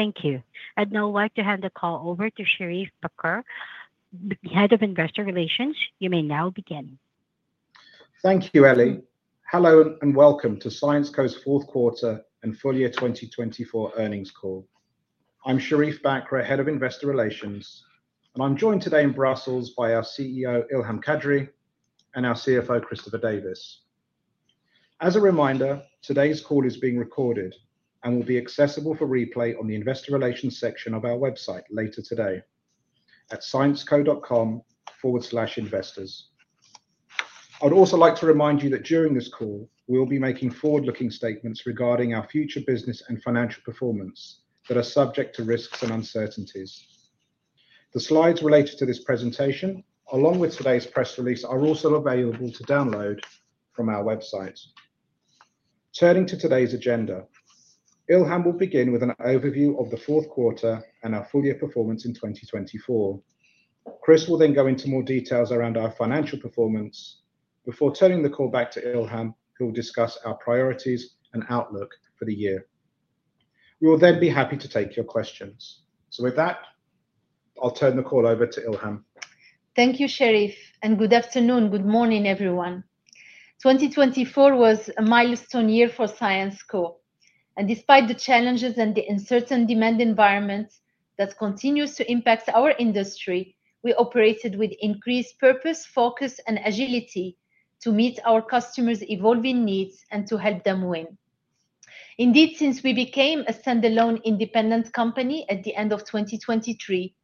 Thank you. I'd now like to hand the call over to Sherief Bakr, the Head of Investor Relations. You may now begin. Thank you, Ellie. Hello and welcome to Syensqo's fourth quarter and full year 2024 earnings call. I'm Sherief Bakr, Head of Investor Relations, and I'm joined today in Brussels by our CEO, Ilham Kadri, and our CFO, Christopher Davis. As a reminder, today's call is being recorded and will be accessible for replay on the Investor Relations section of our website later today at syensqo.com/investors. I'd also like to remind you that during this call, we'll be making forward-looking statements regarding our future business and financial performance that are subject to risks and uncertainties. The slides related to this presentation, along with today's press release, are also available to download from our website. Turning to today's agenda, Ilham will begin with an overview of the fourth quarter and our full year performance in 2024. Chris will then go into more details around our financial performance. Before turning the call back to Ilham, he'll discuss our priorities and outlook for the year. We will then be happy to take your questions. So with that, I'll turn the call over to Ilham. Thank you, Sherief, and good afternoon, good morning, everyone. 2024 was a milestone year for Syensqo, and despite the challenges and the uncertain demand environment that continues to impact our industry, we operated with increased purpose, focus, and agility to meet our customers' evolving needs and to help them win. Indeed, since we became a standalone independent company at the end of 2023,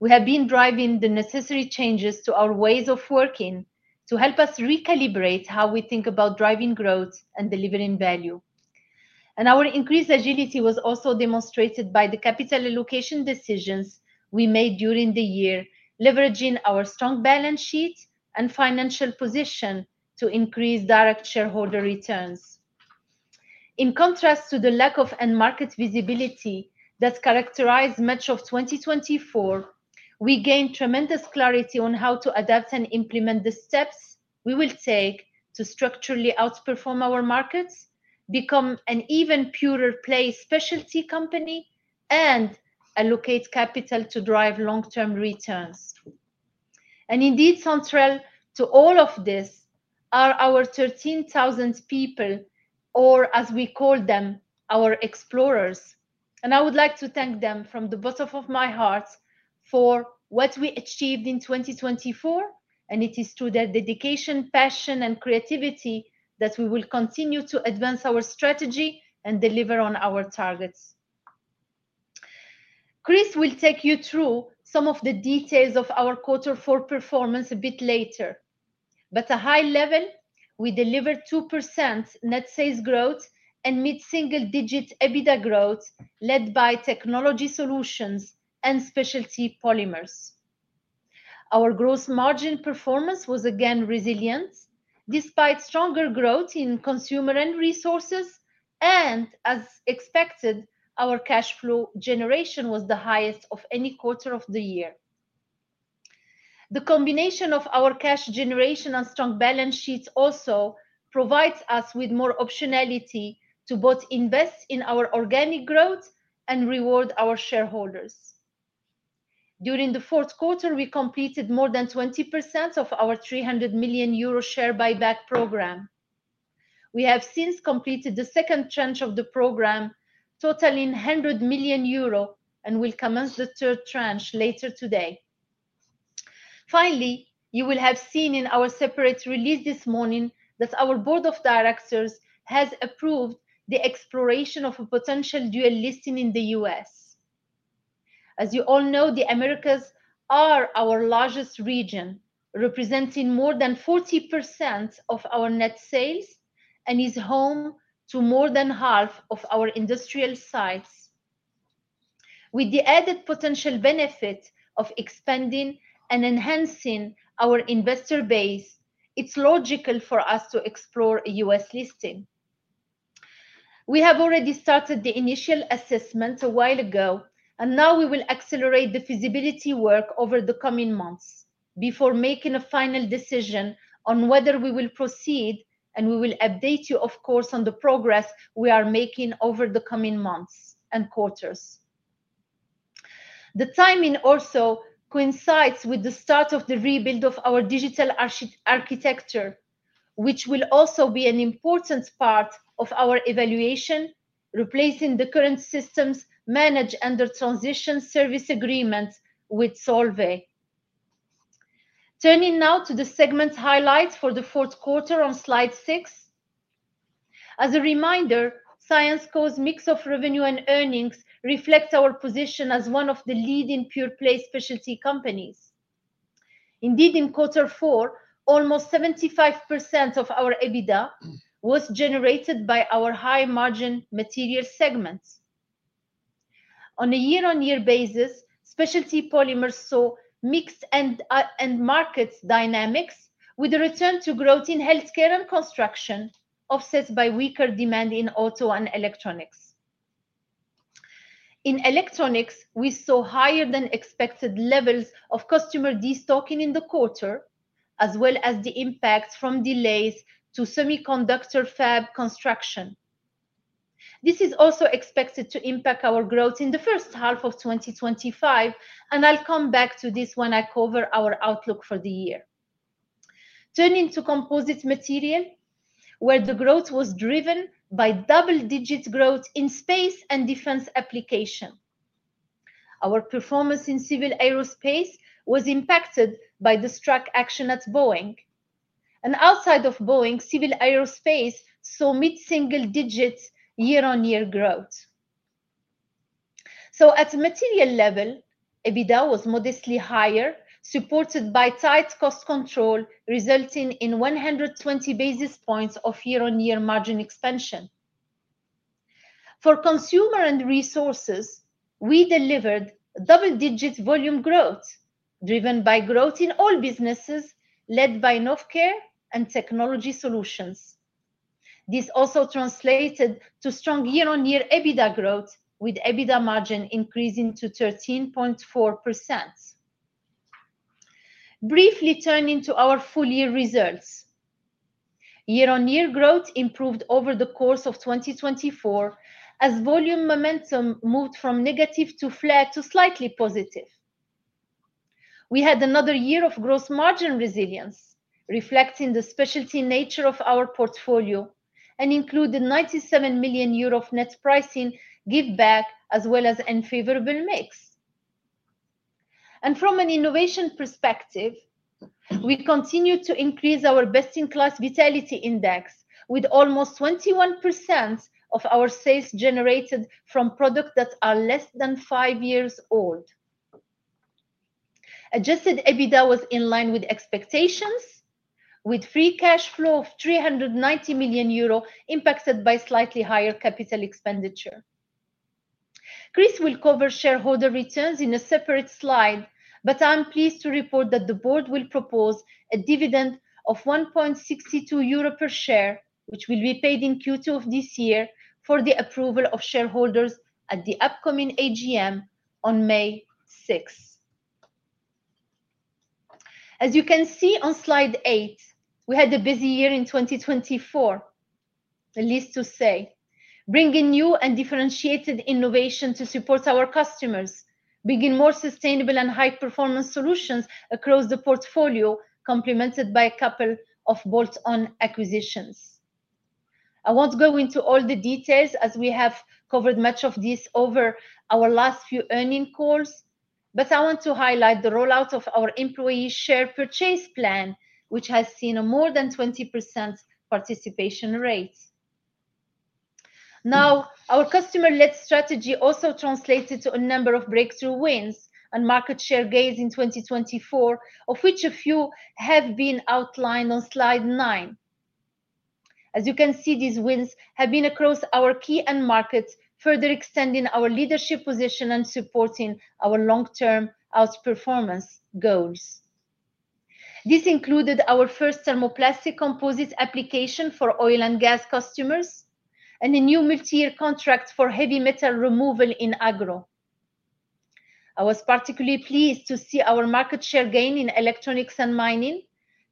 we have been driving the necessary changes to our ways of working to help us recalibrate how we think about driving growth and delivering value. And our increased agility was also demonstrated by the capital allocation decisions we made during the year, leveraging our strong balance sheet and financial position to increase direct shareholder returns. In contrast to the lack of end market visibility that characterized much of 2024, we gained tremendous clarity on how to adapt and implement the steps we will take to structurally outperform our markets, become an even purer play specialty company, and allocate capital to drive long-term returns. And indeed, central to all of this are our 13,000 people, or as we call them, our explorers. And I would like to thank them from the bottom of my heart for what we achieved in 2024, and it is through their dedication, passion, and creativity that we will continue to advance our strategy and deliver on our targets. Chris will take you through some of the details of our quarter four performance a bit later, but at a high level, we delivered 2% net sales growth and mid-single digit EBITDA growth led by technology solutions and Specialty Polymers. Our gross margin performance was again resilient despite stronger growth in Consumer & Resources, and as expected, our cash flow generation was the highest of any quarter of the year. The combination of our cash generation and strong balance sheet also provides us with more optionality to both invest in our organic growth and reward our shareholders. During the fourth quarter, we completed more than 20% of our 300 million euro share buyback program. We have since completed the second tranche of the program, totaling 100 million euro, and will commence the third tranche later today. Finally, you will have seen in our separate release this morning that our board of directors has approved the exploration of a potential dual listing in the U.S. As you all know, the Americas are our largest region, representing more than 40% of our net sales, and is home to more than half of our industrial sites. With the added potential benefit of expanding and enhancing our investor base, it's logical for us to explore a U.S. listing. We have already started the initial assessment a while ago, and now we will accelerate the feasibility work over the coming months before making a final decision on whether we will proceed, and we will update you, of course, on the progress we are making over the coming months and quarters. The timing also coincides with the start of the rebuild of our digital architecture, which will also be an important part of our evaluation, replacing the current systems managed under transition service agreements with Solvay. Turning now to the segment highlights for the fourth quarter on slide six. As a reminder, Syensqo's mix of revenue and earnings reflects our position as one of the leading pure play specialty companies. Indeed, in quarter four, almost 75% of our EBITDA was generated by our high margin Materials segments. On a year-on-year basis, Specialty Polymers saw mixed end market dynamics, with a return to growth in healthcare and construction offset by weaker demand in auto and electronics. In electronics, we saw higher than expected levels of customer destocking in the quarter, as well as the impact from delays to semiconductor fab construction. This is also expected to impact our growth in the first half of 2025, and I'll come back to this when I cover our outlook for the year. Turning to Composite Materials, where the growth was driven by double-digit growth in space and defense application. Our performance in civil aerospace was impacted by the strike action at Boeing. Outside of Boeing, civil aerospace saw mid-single-digit year-on-year growth. At the material level, EBITDA was modestly higher, supported by tight cost control, resulting in 120 basis points of year-on-year margin expansion. For Consumer & Resources, we delivered double-digit volume growth, driven by growth in all businesses led by Novecare and Technology Solutions. This also translated to strong year-on-year EBITDA growth, with EBITDA margin increasing to 13.4%. Briefly turning to our full year results, year-on-year growth improved over the course of 2024 as volume momentum moved from negative to flat to slightly positive. We had another year of gross margin resilience, reflecting the specialty nature of our portfolio and included 97 million euro net pricing give back, as well as unfavorable mix. From an innovation perspective, we continue to increase our best-in-class Vitality Index, with almost 21% of our sales generated from products that are less than five years old. Adjusted EBITDA was in line with expectations, with free cash flow of 390 million euro impacted by slightly higher capital expenditure. Chris will cover shareholder returns in a separate slide, but I'm pleased to report that the board will propose a dividend of 1.62 euro per share, which will be paid in Q2 of this year for the approval of shareholders at the upcoming AGM on May 6th. As you can see on slide eight, we had a busy year in 2024, to say the least, bringing new and differentiated innovation to support our customers, bringing more sustainable and high-performance solutions across the portfolio, complemented by a couple of bolt-on acquisitions. I won't go into all the details as we have covered much of this over our last few earnings calls, but I want to highlight the rollout of our employee share purchase plan, which has seen a more than 20% participation rate. Now, our customer-led strategy also translated to a number of breakthrough wins and market share gains in 2024, of which a few have been outlined on slide nine. As you can see, these wins have been across our key end markets, further extending our leadership position and supporting our long-term outperformance goals. This included our first thermoplastic composite application for oil and gas customers and a new multi-year contract for heavy metal removal in AgRHO. I was particularly pleased to see our market share gain in electronics and mining,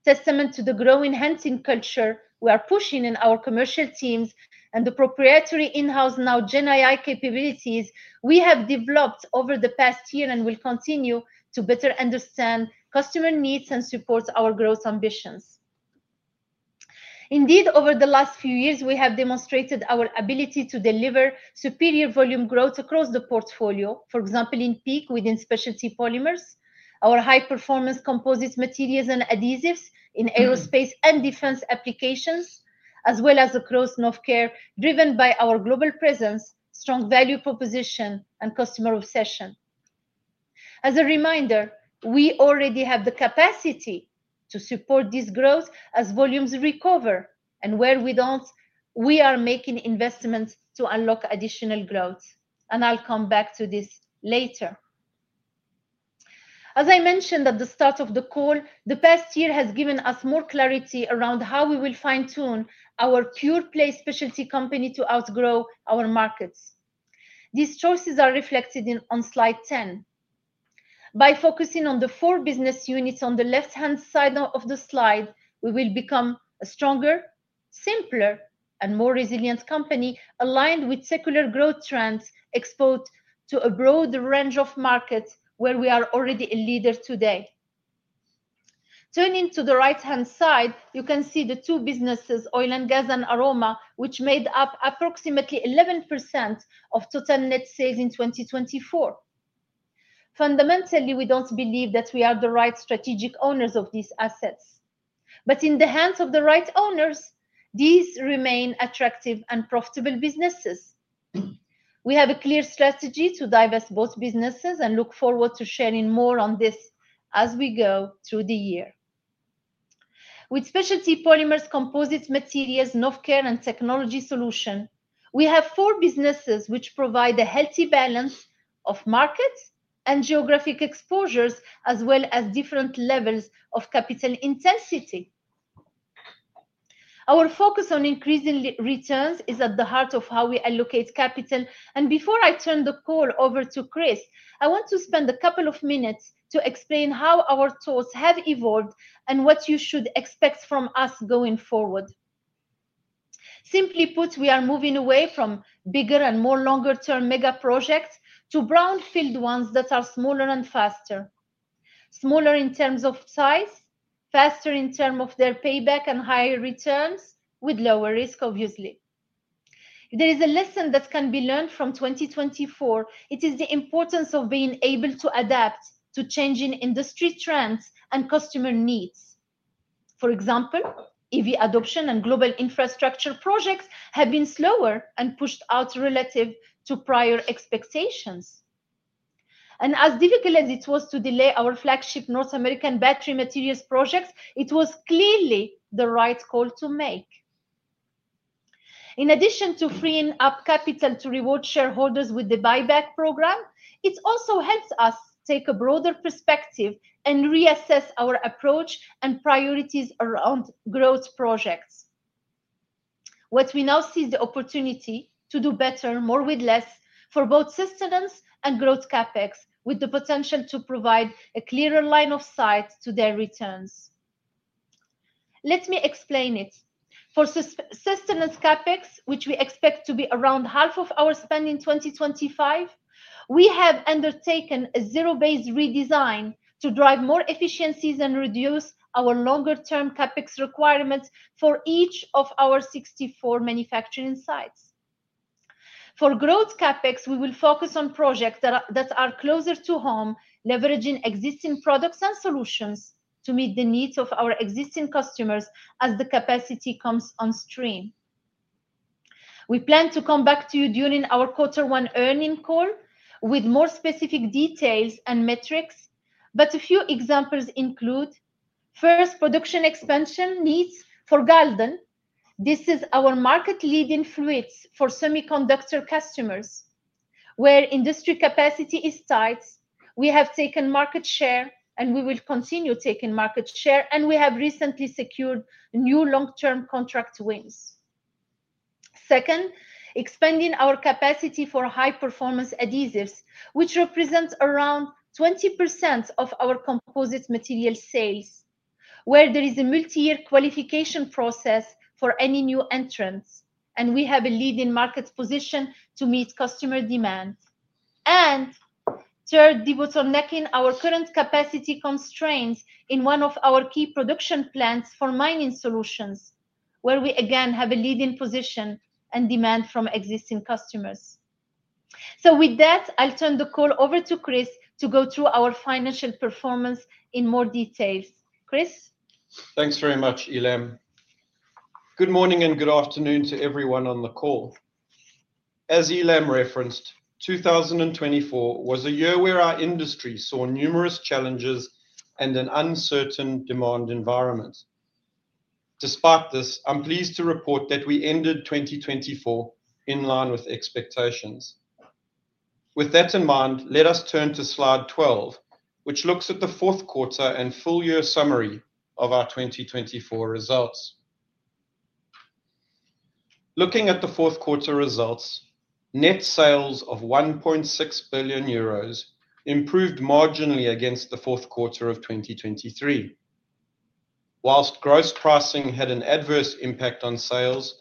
testament to the growing hunting culture we are pushing in our commercial teams and the proprietary in-house now GenAI capabilities we have developed over the past year and will continue to better understand customer needs and support our growth ambitions. Indeed, over the last few years, we have demonstrated our ability to deliver superior volume growth across the portfolio, for example, in PEEK within specialty polymers, our high-performance Composite Materials and adhesives in aerospace and defense applications, as well as across Novecare, driven by our global presence, strong value proposition, and customer obsession. As a reminder, we already have the capacity to support this growth as volumes recover, and where we don't, we are making investments to unlock additional growth, and I'll come back to this later. As I mentioned at the start of the call, the past year has given us more clarity around how we will fine-tune our pure play specialty company to outgrow our markets. These choices are reflected on slide 10. By focusing on the four business units on the left-hand side of the slide, we will become a stronger, simpler, and more resilient company aligned with secular growth trends exposed to a broad range of markets where we are already a leader today. Turning to the right-hand side, you can see the two businesses, oil and gas and Aroma, which made up approximately 11% of total net sales in 2024. Fundamentally, we don't believe that we are the right strategic owners of these assets, but in the hands of the right owners, these remain attractive and profitable businesses. We have a clear strategy to diversify both businesses and look forward to sharing more on this as we go through the year. With Specialty Polymers, Composite Materials, Novecare, and Technology Solutions, we have four businesses which provide a healthy balance of market and geographic exposures, as well as different levels of capital intensity. Our focus on increasing returns is at the heart of how we allocate capital. And before I turn the call over to Chris, I want to spend a couple of minutes to explain how our tools have evolved and what you should expect from us going forward. Simply put, we are moving away from bigger and more longer-term mega projects to brownfield ones that are smaller and faster. Smaller in terms of size, faster in terms of their payback and higher returns with lower risk, obviously. There is a lesson that can be learned from 2024. It is the importance of being able to adapt to changing industry trends and customer needs. For example, EV adoption and global infrastructure projects have been slower and pushed out relative to prior expectations, and as difficult as it was to delay our flagship North American battery materials projects, it was clearly the right call to make. In addition to freeing up capital to reward shareholders with the buyback program, it also helps us take a broader perspective and reassess our approach and priorities around growth projects. What we now see is the opportunity to do better, more with less, for both sustenance and growth CapEx, with the potential to provide a clearer line of sight to their returns. Let me explain it. For sustaining CapEx, which we expect to be around half of our spend in 2025, we have undertaken a zero-based redesign to drive more efficiencies and reduce our longer-term CapEx requirements for each of our 64 manufacturing sites. For growth CapEx, we will focus on projects that are closer to home, leveraging existing products and solutions to meet the needs of our existing customers as the capacity comes on stream. We plan to come back to you during our quarter one earnings call with more specific details and metrics, but a few examples include first production expansion needs for Galden. This is our market-leading fluids for semiconductor customers. Where industry capacity is tight, we have taken market share, and we will continue taking market share, and we have recently secured new long-term contract wins. Second, expanding our capacity for high-performance adhesives, which represents around 20% of our composite material sales, where there is a multi-year qualification process for any new entrants, and we have a leading market position to meet customer demand, and third, de-bottlenecking our current capacity constraints in one of our key production plants for mining solutions, where we again have a leading position and demand from existing customers, so with that, I'll turn the call over to Chris to go through our financial performance in more details. Chris? Thanks very much, Ilham. Good morning and good afternoon to everyone on the call. As Ilham referenced, 2024 was a year where our industry saw numerous challenges and an uncertain demand environment. Despite this, I'm pleased to report that we ended 2024 in line with expectations. With that in mind, let us turn to slide 12, which looks at the fourth quarter and full year summary of our 2024 results. Looking at the fourth quarter results, net sales of 1.6 billion euros improved marginally against the fourth quarter of 2023. While gross pricing had an adverse impact on sales,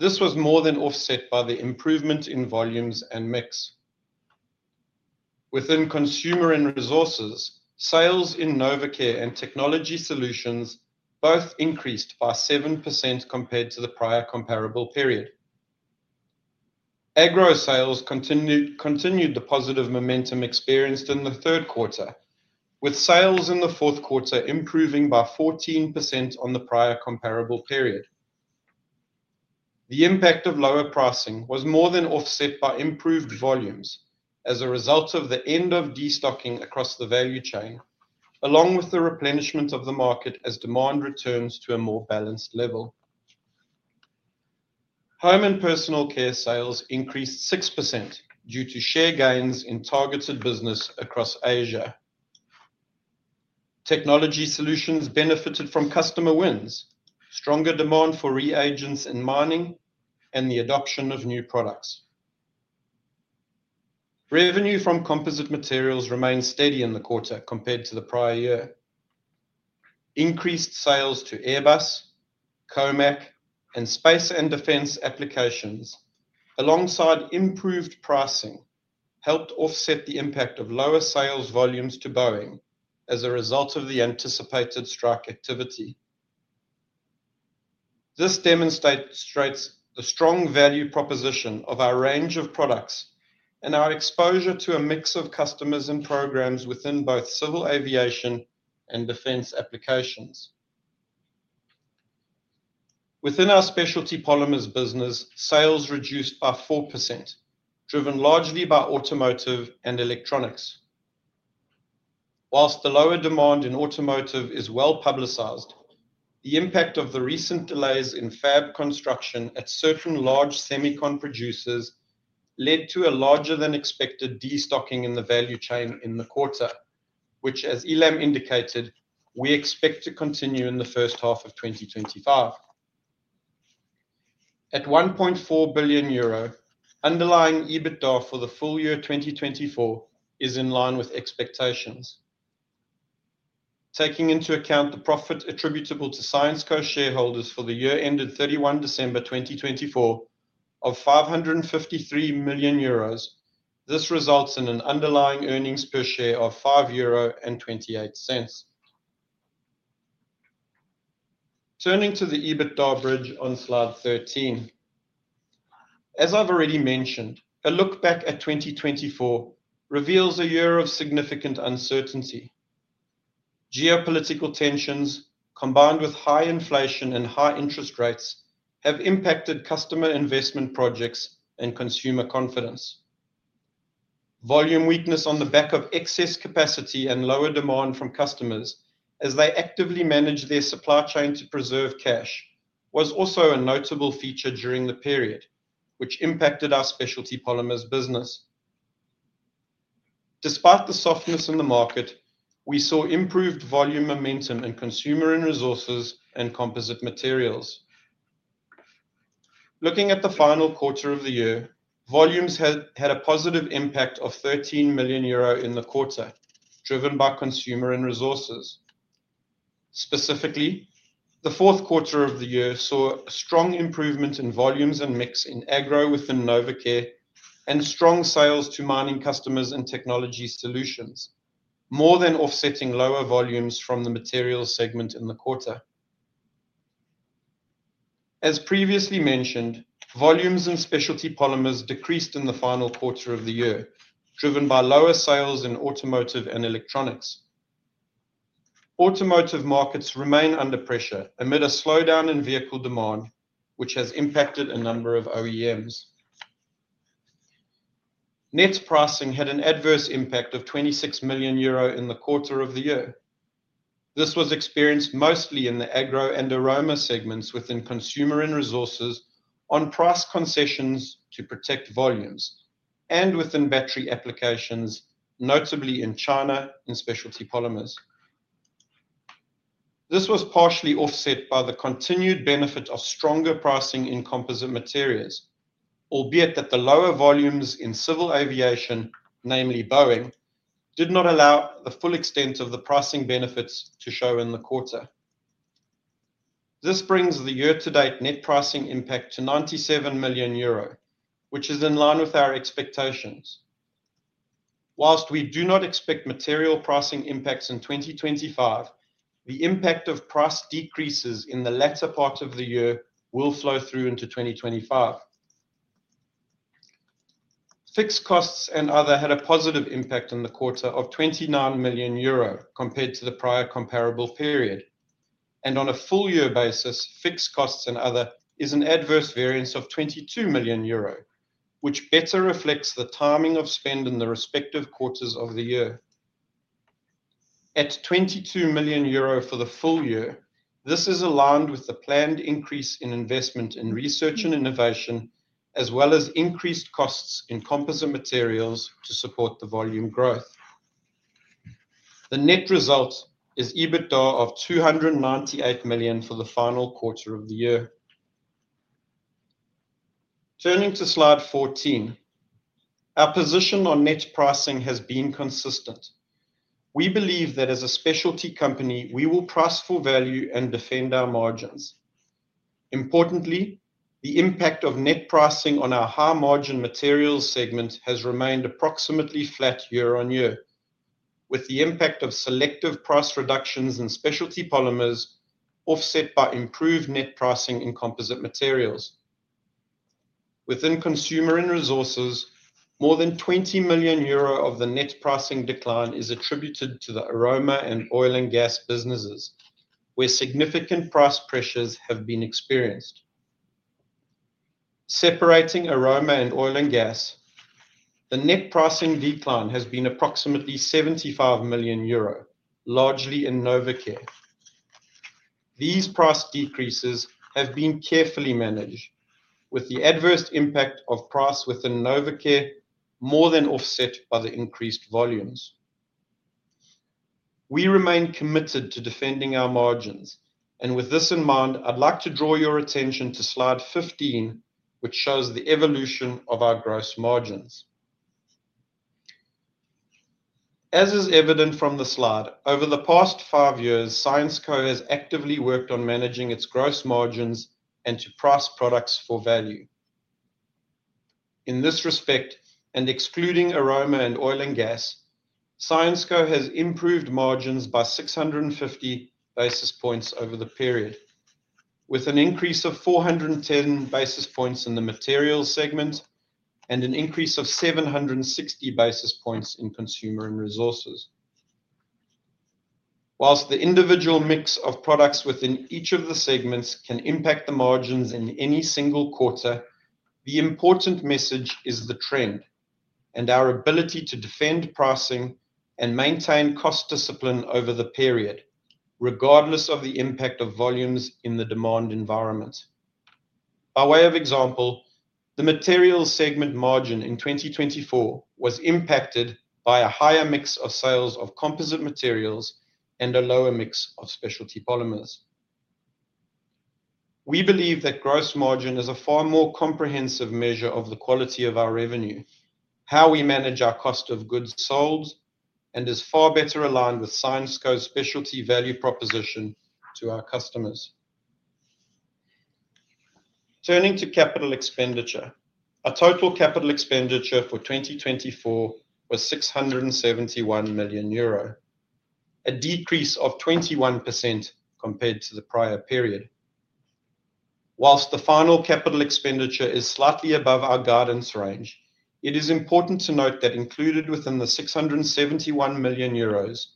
this was more than offset by the improvement in volumes and mix. Within Consumer and Resources, sales in Novecare and Technology Solutions both increased by 7% compared to the prior comparable period. AgRHO sales continued the positive momentum experienced in the third quarter, with sales in the fourth quarter improving by 14% on the prior comparable period. The impact of lower pricing was more than offset by improved volumes as a result of the end of destocking across the value chain, along with the replenishment of the market as demand returns to a more balanced level. Home and personal care sales increased 6% due to share gains in targeted business across Asia. Technology Solutions benefited from customer wins, stronger demand for reagents in mining, and the adoption of new products. Revenue from Composite Materials remained steady in the quarter compared to the prior year. Increased sales to Airbus, COMAC, and space and defense applications, alongside improved pricing, helped offset the impact of lower sales volumes to Boeing as a result of the anticipated strike activity. This demonstrates the strong value proposition of our range of products and our exposure to a mix of customers and programs within both civil aviation and defense applications. Within our Specialty Polymers business, sales reduced by 4%, driven largely by automotive and electronics. While the lower demand in automotive is well publicized, the impact of the recent delays in fab construction at certain large semiconductor producers led to a larger than expected destocking in the value chain in the quarter, which, as Ilham indicated, we expect to continue in the first half of 2025. At 1.4 billion euro, underlying EBITDA for the full year 2024 is in line with expectations. Taking into account the profit attributable to Syensqo shareholders for the year ended 31 December 2024 of 553 million euros, this results in an underlying earnings per share of 5.28 euro. Turning to the EBITDA bridge on slide 13. As I've already mentioned, a look back at 2024 reveals a year of significant uncertainty. Geopolitical tensions, combined with high inflation and high interest rates, have impacted customer investment projects and consumer confidence. Volume weakness on the back of excess capacity and lower demand from customers as they actively manage their supply chain to preserve cash was also a notable feature during the period, which impacted our Specialty Polymers business. Despite the softness in the market, we saw improved volume momentum in Consumer and Resources and Composite Materials. Looking at the final quarter of the year, volumes had a positive impact of 13 million euro in the quarter, driven by Consumer and Resources. Specifically, the fourth quarter of the year saw a strong improvement in volumes and mix in AgRHO within Novecare and strong sales to mining customers and Technology Solutions, more than offsetting lower volumes from the Materials segment in the quarter. As previously mentioned, volumes in Specialty Polymers decreased in the final quarter of the year, driven by lower sales in automotive and electronics. Automotive markets remain under pressure amid a slowdown in vehicle demand, which has impacted a number of OEMs. Net pricing had an adverse impact of 26 million euro in the quarter of the year. This was experienced mostly in the AgRHO and Aroma segments within Consumer & Resources on price concessions to protect volumes and within battery applications, notably in China in specialty polymers. This was partially offset by the continued benefit of stronger pricing in Composite Materials, albeit that the lower volumes in civil aviation, namely Boeing, did not allow the full extent of the pricing benefits to show in the quarter. This brings the year-to-date net pricing impact to 97 million euro, which is in line with our expectations. Whilst we do not expect material pricing impacts in 2025, the impact of price decreases in the latter part of the year will flow through into 2025. Fixed costs and other had a positive impact in the quarter of 29 million euro compared to the prior comparable period. On a full year basis, fixed costs and other is an adverse variance of 22 million euro, which better reflects the timing of spend in the respective quarters of the year. At 22 million euro for the full year, this is aligned with the planned increase in investment in research and innovation, as well as increased costs in Composite Materials to support the volume growth. The net result is EBITDA of 298 million for the final quarter of the year. Turning to slide 14, our position on net pricing has been consistent. We believe that as a specialty company, we will price for value and defend our margins. Importantly, the impact of net pricing on our high-margin Materials segment has remained approximately flat year on year, with the impact of selective price reductions in Specialty Polymers offset by improved net pricing in Composite Materials. Within Consumer and Resources, more than 20 million euro of the net pricing decline is attributed to the Aroma and oil and gas businesses, where significant price pressures have been experienced. Separating Aroma and oil and gas, the net pricing decline has been approximately 75 million euro, largely in Novecare. These price decreases have been carefully managed, with the adverse impact of price within Novecare more than offset by the increased volumes. We remain committed to defending our margins, and with this in mind, I'd like to draw your attention to slide 15, which shows the evolution of our gross margins. As is evident from the slide, over the past five years, Syensqo has actively worked on managing its gross margins and to price products for value. In this respect, and excluding Aroma and oil and gas, Syensqo has improved margins by 650 basis points over the period, with an increase of 410 basis points in the Materials segment and an increase of 760 basis points in Consumer and Resources. While the individual mix of products within each of the segments can impact the margins in any single quarter, the important message is the trend and our ability to defend pricing and maintain cost discipline over the period, regardless of the impact of volumes in the demand environment. By way of example, the Materials segment margin in 2024 was impacted by a higher mix of sales of Composite Materials and a lower mix of Specialty Polymers. We believe that gross margin is a far more comprehensive measure of the quality of our revenue, how we manage our cost of goods sold, and is far better aligned with Syensqo's specialty value proposition to our customers. Turning to capital expenditure, our total capital expenditure for 2024 was 671 million euro, a decrease of 21% compared to the prior period. While the final capital expenditure is slightly above our guidance range, it is important to note that included within the 671 million euros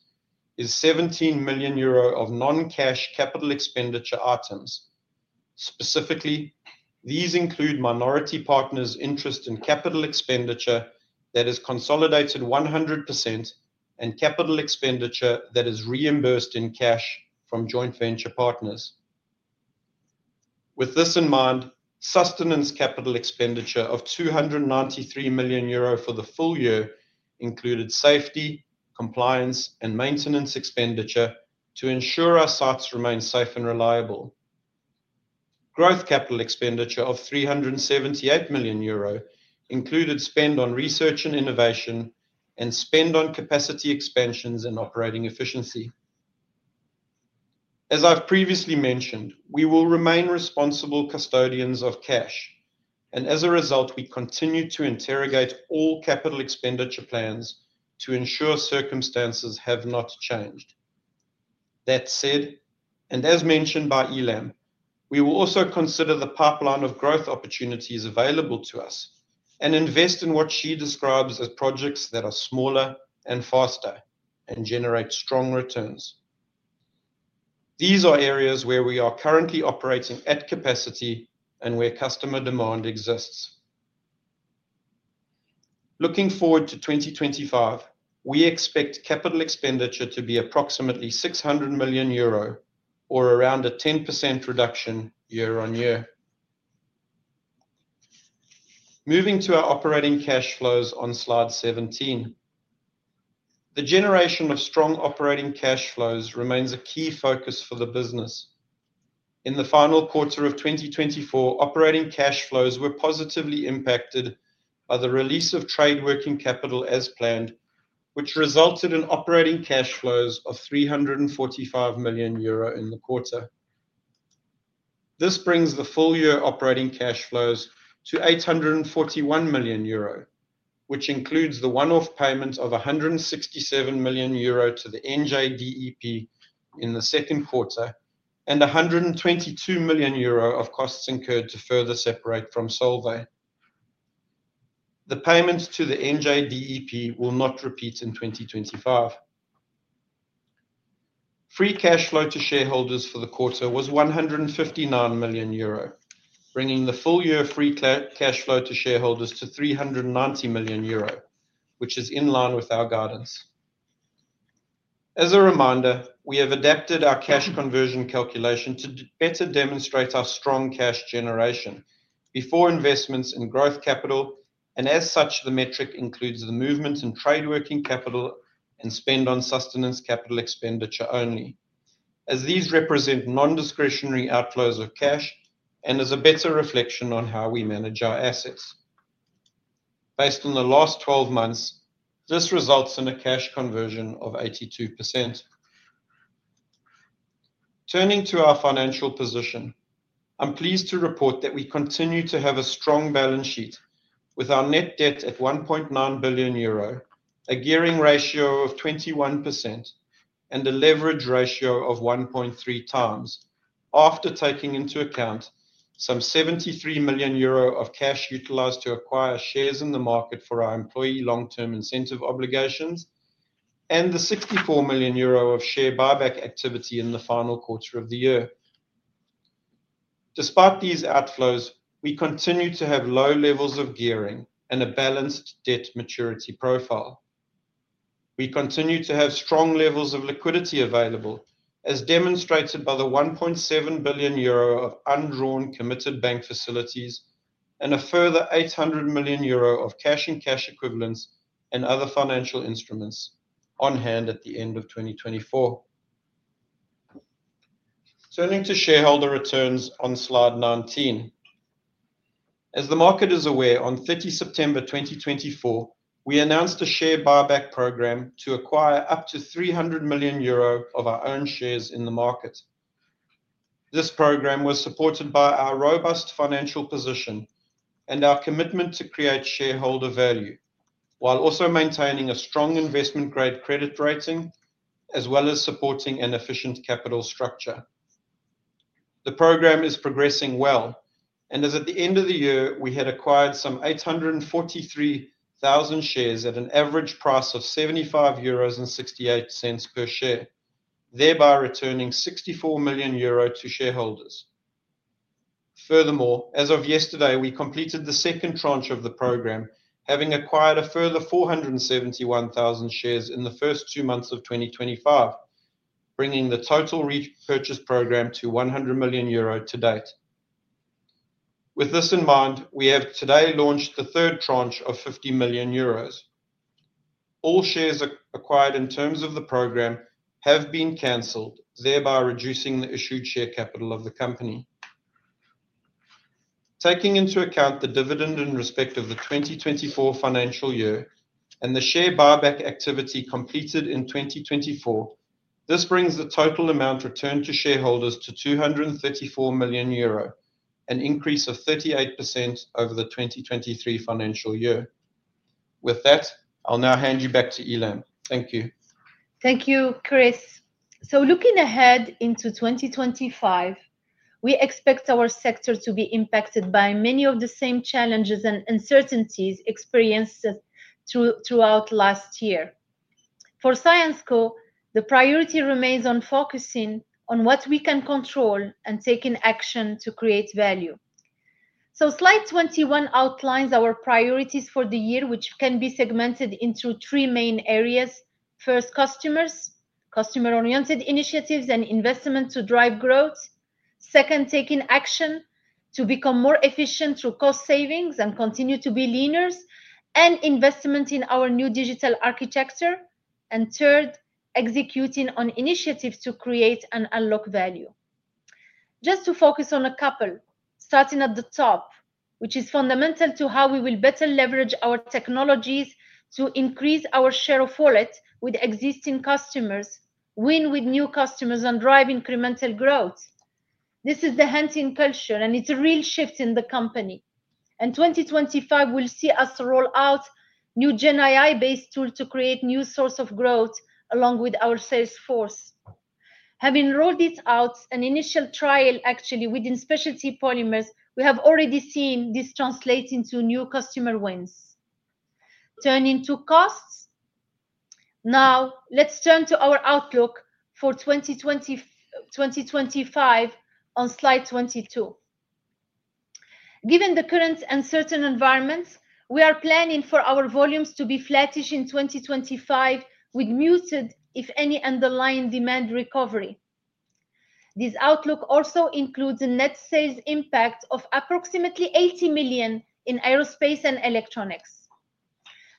is 17 million euro of non-cash capital expenditure items. Specifically, the include minority partners' interest in capital expenditure that is consolidated 100% and capital expenditure that is reimbursed in cash from joint venture partners. With this in mind, sustenance capital expenditure of 293 million euro for the full year included safety, compliance, and maintenance expenditure to ensure our sites remain safe and reliable. Growth capital expenditure of 378 million euro included spend on research and innovation and spend on capacity expansions and operating efficiency. As I've previously mentioned, we will remain responsible custodians of cash, and as a result, we continue to interrogate all capital expenditure plans to ensure circumstances have not changed. That said, and as mentioned by Ilham, we will also consider the pipeline of growth opportunities available to us and invest in what she describes as projects that are smaller and faster and generate strong returns. These are areas where we are currently operating at capacity and where customer demand exists. Looking forward to 2025, we expect capital expenditure to be approximately 600 million euro or around a 10% reduction year on year. Moving to our operating cash flows on slide 17, the generation of strong operating cash flows remains a key focus for the business. In the final quarter of 2024, operating cash flows were positively impacted by the release of trade working capital as planned, which resulted in operating cash flows of 345 million euro in the quarter. This brings the full year operating cash flows to 841 million euro, which includes the one-off payment of 167 million euro to the NJDEP in the second quarter and 122 million euro of costs incurred to further separate from Solvay. The payment to the NJDEP will not repeat in 2025. Free cash flow to shareholders for the quarter was 159 million euro, bringing the full year free cash flow to shareholders to 390 million euro, which is in line with our guidance. As a reminder, we have adapted our cash conversion calculation to better demonstrate our strong cash generation before investments in growth capital, and as such, the metric includes the movement in trade working capital and spend on sustenance capital expenditure only, as these represent non-discretionary outflows of cash and as a better reflection on how we manage our assets. Based on the last 12 months, this results in a cash conversion of 82%. Turning to our financial position, I'm pleased to report that we continue to have a strong balance sheet with our net debt at 1.9 billion euro, a gearing ratio of 21%, and a leverage ratio of 1.3 times after taking into account some 73 million euro of cash utilized to acquire shares in the market for our employee long-term incentive obligations and the 64 million euro of share buyback activity in the final quarter of the year. Despite these outflows, we continue to have low levels of gearing and a balanced debt maturity profile. We continue to have strong levels of liquidity available, as demonstrated by the 1.7 billion euro of undrawn committed bank facilities and a further 800 million euro of cash and cash equivalents and other financial instruments on hand at the end of 2024. Turning to shareholder returns on slide 19, as the market is aware, on 30 September 2024, we announced a share buyback program to acquire up to 300 million euro of our own shares in the market. This program was supported by our robust financial position and our commitment to create shareholder value while also maintaining a strong investment-grade credit rating, as well as supporting an efficient capital structure. The program is progressing well, and as at the end of the year, we had acquired some 843,000 shares at an average price of 75.68 euros per share, thereby returning 64 million euro to shareholders. Furthermore, as of yesterday, we completed the second tranche of the program, having acquired a further 471,000 shares in the first two months of 2025, bringing the total repurchase program to 100 million euro to date. With this in mind, we have today launched the third tranche of 50 million euros. All shares acquired in terms of the program have been canceled, thereby reducing the issued share capital of the company. Taking into account the dividend in respect of the 2024 financial year and the share buyback activity completed in 2024, this brings the total amount returned to shareholders to 234 million euro, an increase of 38% over the 2023 financial year. With that, I'll now hand you back to Ilham. Thank you. Thank you, Chris. So looking ahead into 2025, we expect our sector to be impacted by many of the same challenges and uncertainties experienced throughout last year. For Syensqo, the priority remains on focusing on what we can control and taking action to create value. So slide 21 outlines our priorities for the year, which can be segmented into three main areas. First, customers, customer-oriented initiatives and investment to drive growth. Second, taking action to become more efficient through cost savings and continue to be leaner and investment in our new digital architecture. And third, executing on initiatives to create and unlock value. Just to focus on a couple, starting at the top, which is fundamental to how we will better leverage our technologies to increase our share of wallet with existing customers, win with new customers, and drive incremental growth. This is the hunting culture, and it's a real shift in the company. And 2025 will see us roll out new GenAI-based tools to create new sources of growth along with our sales force. Having rolled it out, an initial trial actually within specialty polymers, we have already seen this translate into new customer wins. Turning to costs, now let's turn to our outlook for 2025 on slide 22. Given the current uncertain environment, we are planning for our volumes to be flattish in 2025 with muted, if any, underlying demand recovery. This outlook also includes a net sales impact of approximately 80 million in aerospace and electronics.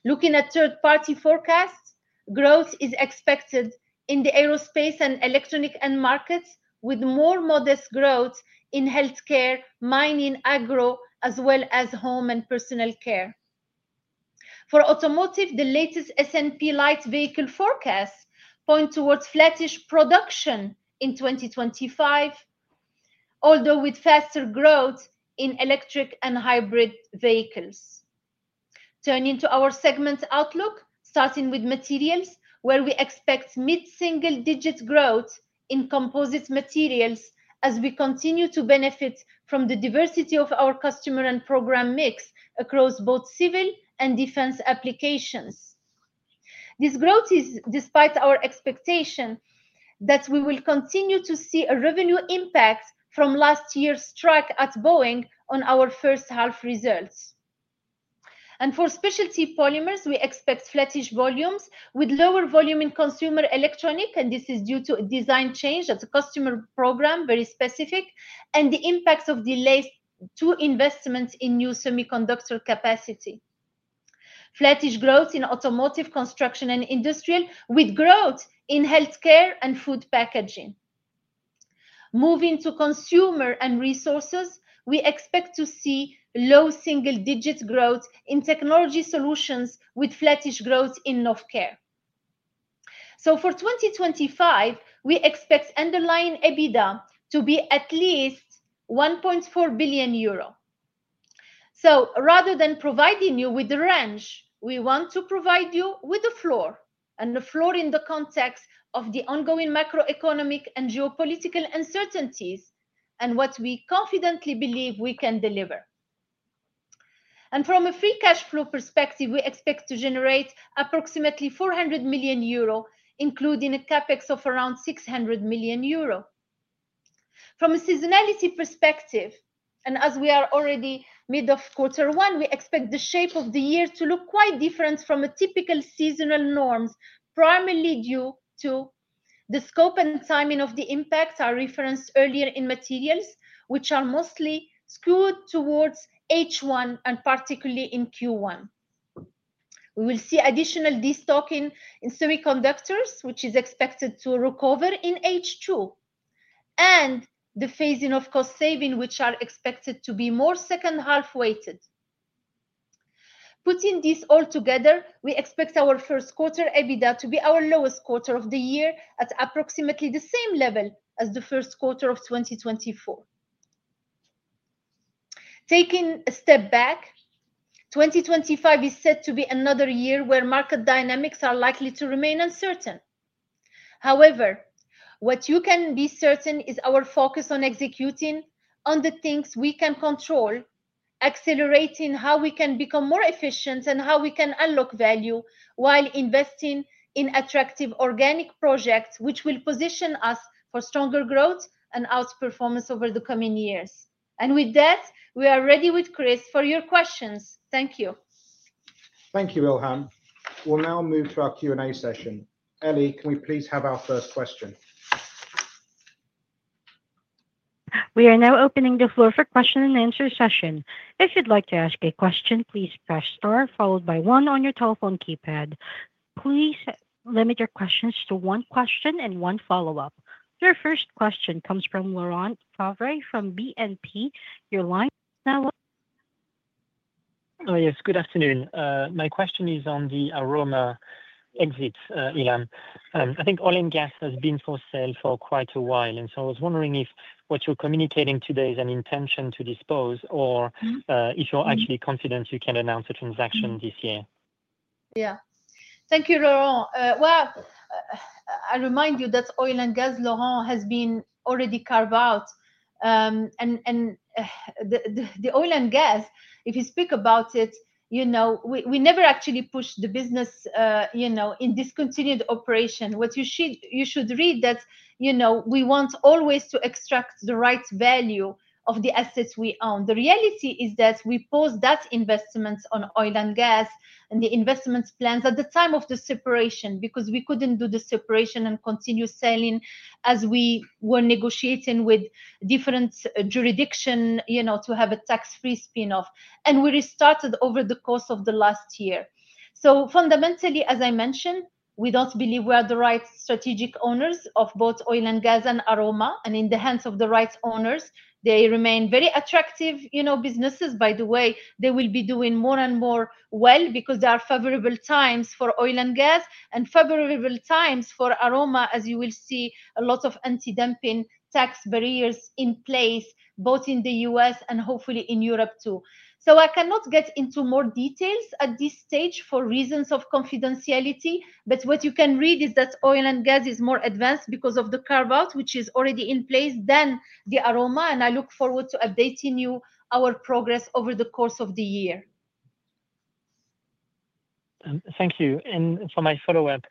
Looking at third-party forecasts, growth is expected in the aerospace and electronic end markets with more modest growth in healthcare, mining, AgRHO, as well as home and personal care. For automotive, the latest S&P Light Vehicle Forecasts point towards flattish production in 2025, although with faster growth in electric and hybrid vehicles. Turning to our segment outlook, starting with materials, where we expect mid-single-digit growth in Composite Materials as we continue to benefit from the diversity of our customer and program mix across both civil and defense applications. This growth is despite our expectation that we will continue to see a revenue impact from last year's strike at Boeing on our first-half results. For specialty polymers, we expect flattish volumes with lower volume in consumer electronics, and this is due to a design change at the customer program, very specific, and the impact of delays to investment in new semiconductor capacity. Flattish growth in automotive, construction, and industrial, with growth in healthcare and food packaging. Moving to consumer and resources, we expect to see low single-digit growth in technology solutions with flattish growth in healthcare. For 2025, we expect underlying EBITDA to be at least 1.4 billion euro. Rather than providing you with a range, we want to provide you with a floor, and a floor in the context of the ongoing macroeconomic and geopolitical uncertainties and what we confidently believe we can deliver. From a free cash flow perspective, we expect to generate approximately 400 million euro, including a CapEx of around 600 million euro. From a seasonality perspective, and as we are already mid of quarter one, we expect the shape of the year to look quite different from typical seasonal norms, primarily due to the scope and timing of the impact I referenced earlier in Materials, which are mostly skewed towards H1 and particularly in Q1. We will see additional destocking in semiconductors, which is expected to recover in H2, and the phasing of cost saving, which are expected to be more second-half weighted. Putting this all together, we expect our first quarter EBITDA to be our lowest quarter of the year at approximately the same level as the first quarter of 2024. Taking a step back, 2025 is set to be another year where market dynamics are likely to remain uncertain. However, what you can be certain is our focus on executing on the things we can control, accelerating how we can become more efficient and how we can unlock value while investing in attractive organic projects, which will position us for stronger growth and outperformance over the coming years. And with that, we are ready with Chris for your questions. Thank you. Thank you, Ilham. We'll now move to our Q&A session. Ellie, can we please have our first question? We are now opening the floor for question and answer session. If you'd like to ask a question, please press star followed by one on your telephone keypad. Please limit your questions to one question and one follow-up. Your first question comes from Laurent Favre from BNP. Your line. Now. Oh, yes. Good afternoon. My question is on the Aroma exit, Ilham. I think oil and gas has been for sale for quite a while, and so I was wondering if what you're communicating today is an intention to dispose or if you're actually confident you can announce a transaction this year. Yeah. Thank you, Laurent. Well, I remind you that oil and gas, Laurent, has been already carved out, and the oil and gas, if you speak about it, we never actually pushed the business in discontinued operation. What you should read that we want always to extract the right value of the assets we own. The reality is that we paused that investment on oil and gas and the investment plans at the time of the separation because we couldn't do the separation and continue selling as we were negotiating with different jurisdictions to have a tax-free spin-off, and we restarted over the course of the last year. So fundamentally, as I mentioned, we don't believe we are the right strategic owners of both oil and gas and Aroma. And in the hands of the right owners, they remain very attractive businesses, by the way. They will be doing more and more well because there are favorable times for oil and gas and favorable times for Aroma, as you will see a lot of anti-dumping tax barriers in place, both in the U.S. and hopefully in Europe too. So I cannot get into more details at this stage for reasons of confidentiality, but what you can read is that oil and gas is more advanced because of the carve-out, which is already in place than the Aroma, and I look forward to updating you our progress over the course of the year. Thank you. For my follow-up,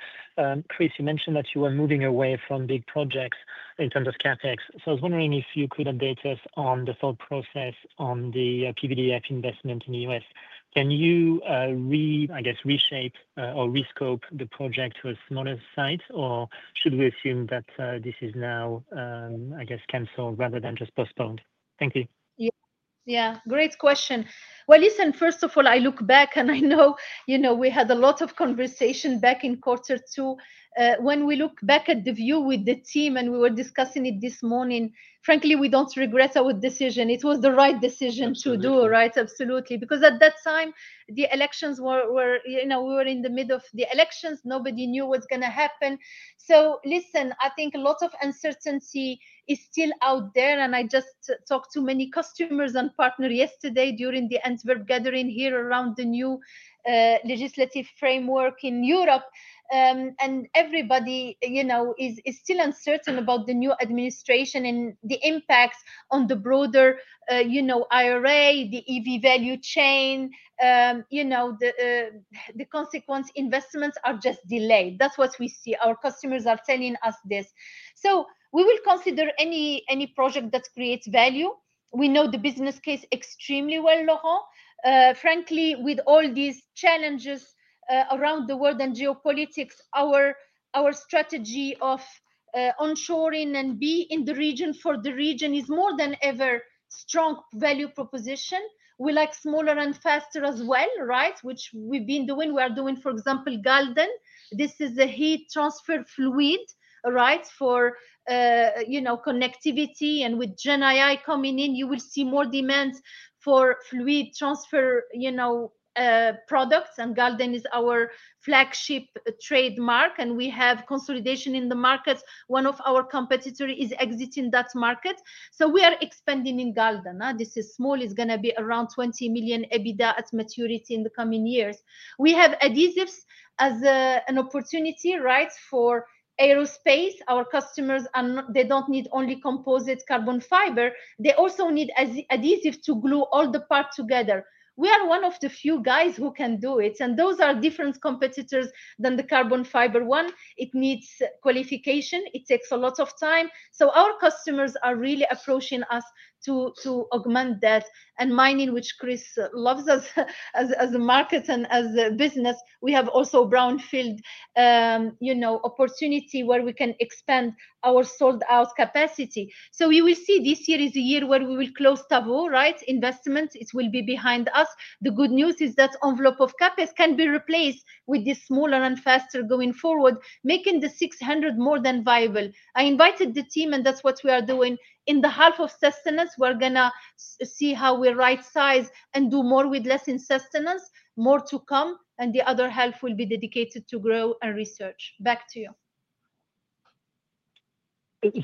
Chris, you mentioned that you were moving away from big projects in terms of CapEx. I was wondering if you could update us on the thought process on the PVDF investment in the U.S. Can you, I guess, reshape or rescope the project to a smaller site, or should we assume that this is now, I guess, canceled rather than just postponed? Thank you. Yeah. Yeah. Great question. Listen, first of all, I look back and I know we had a lot of conversation back in quarter two. When we look back at the view with the team and we were discussing it this morning, frankly, we don't regret our decision. It was the right decision to do, right? Absolutely. Because at that time, the elections, we were in the middle of the elections. Nobody knew what's going to happen. So, listen. I think a lot of uncertainty is still out there, and I just talked to many customers and partners yesterday during the Antwerp gathering here around the new legislative framework in Europe. And everybody is still uncertain about the new administration and the impact on the broader IRA, the EV value chain. The consequent investments are just delayed. That's what we see. Our customers are telling us this. So we will consider any project that creates value. We know the business case extremely well, Laurent. Frankly, with all these challenges around the world and geopolitics, our strategy of onshoring and being in the region for the region is more than ever strong value proposition. We like smaller and faster as well, right? Which we've been doing. We are doing, for example, Galden. This is a heat transfer fluid, right, for connectivity. And with GenAI coming in, you will see more demand for fluid transfer products, and Galden is our flagship trademark. And we have consolidation in the market. One of our competitors is exiting that market. So we are expanding in Galden. This is small. It's going to be around 20 million EBITDA at maturity in the coming years. We have adhesives as an opportunity, right, for aerospace. Our customers, they don't need only composite carbon fiber. They also need adhesive to glue all the parts together. We are one of the few guys who can do it. And those are different competitors than the carbon fiber one. It needs qualification. It takes a lot of time. So our customers are really approaching us to augment that. Mining, which Chris loves as a market and as a business, we also have brownfield opportunity where we can expand our sold-out capacity. So we will see this year is a year where we will close Tavaux, right? Investment, it will be behind us. The good news is that envelope of CapEx can be replaced with this smaller and faster going forward, making the 600 more than viable. I invited the team, and that's what we are doing. In the half of sustainability, we're going to see how we right-size and do more with less in sustainability, more to come, and the other half will be dedicated to grow and research. Back to you.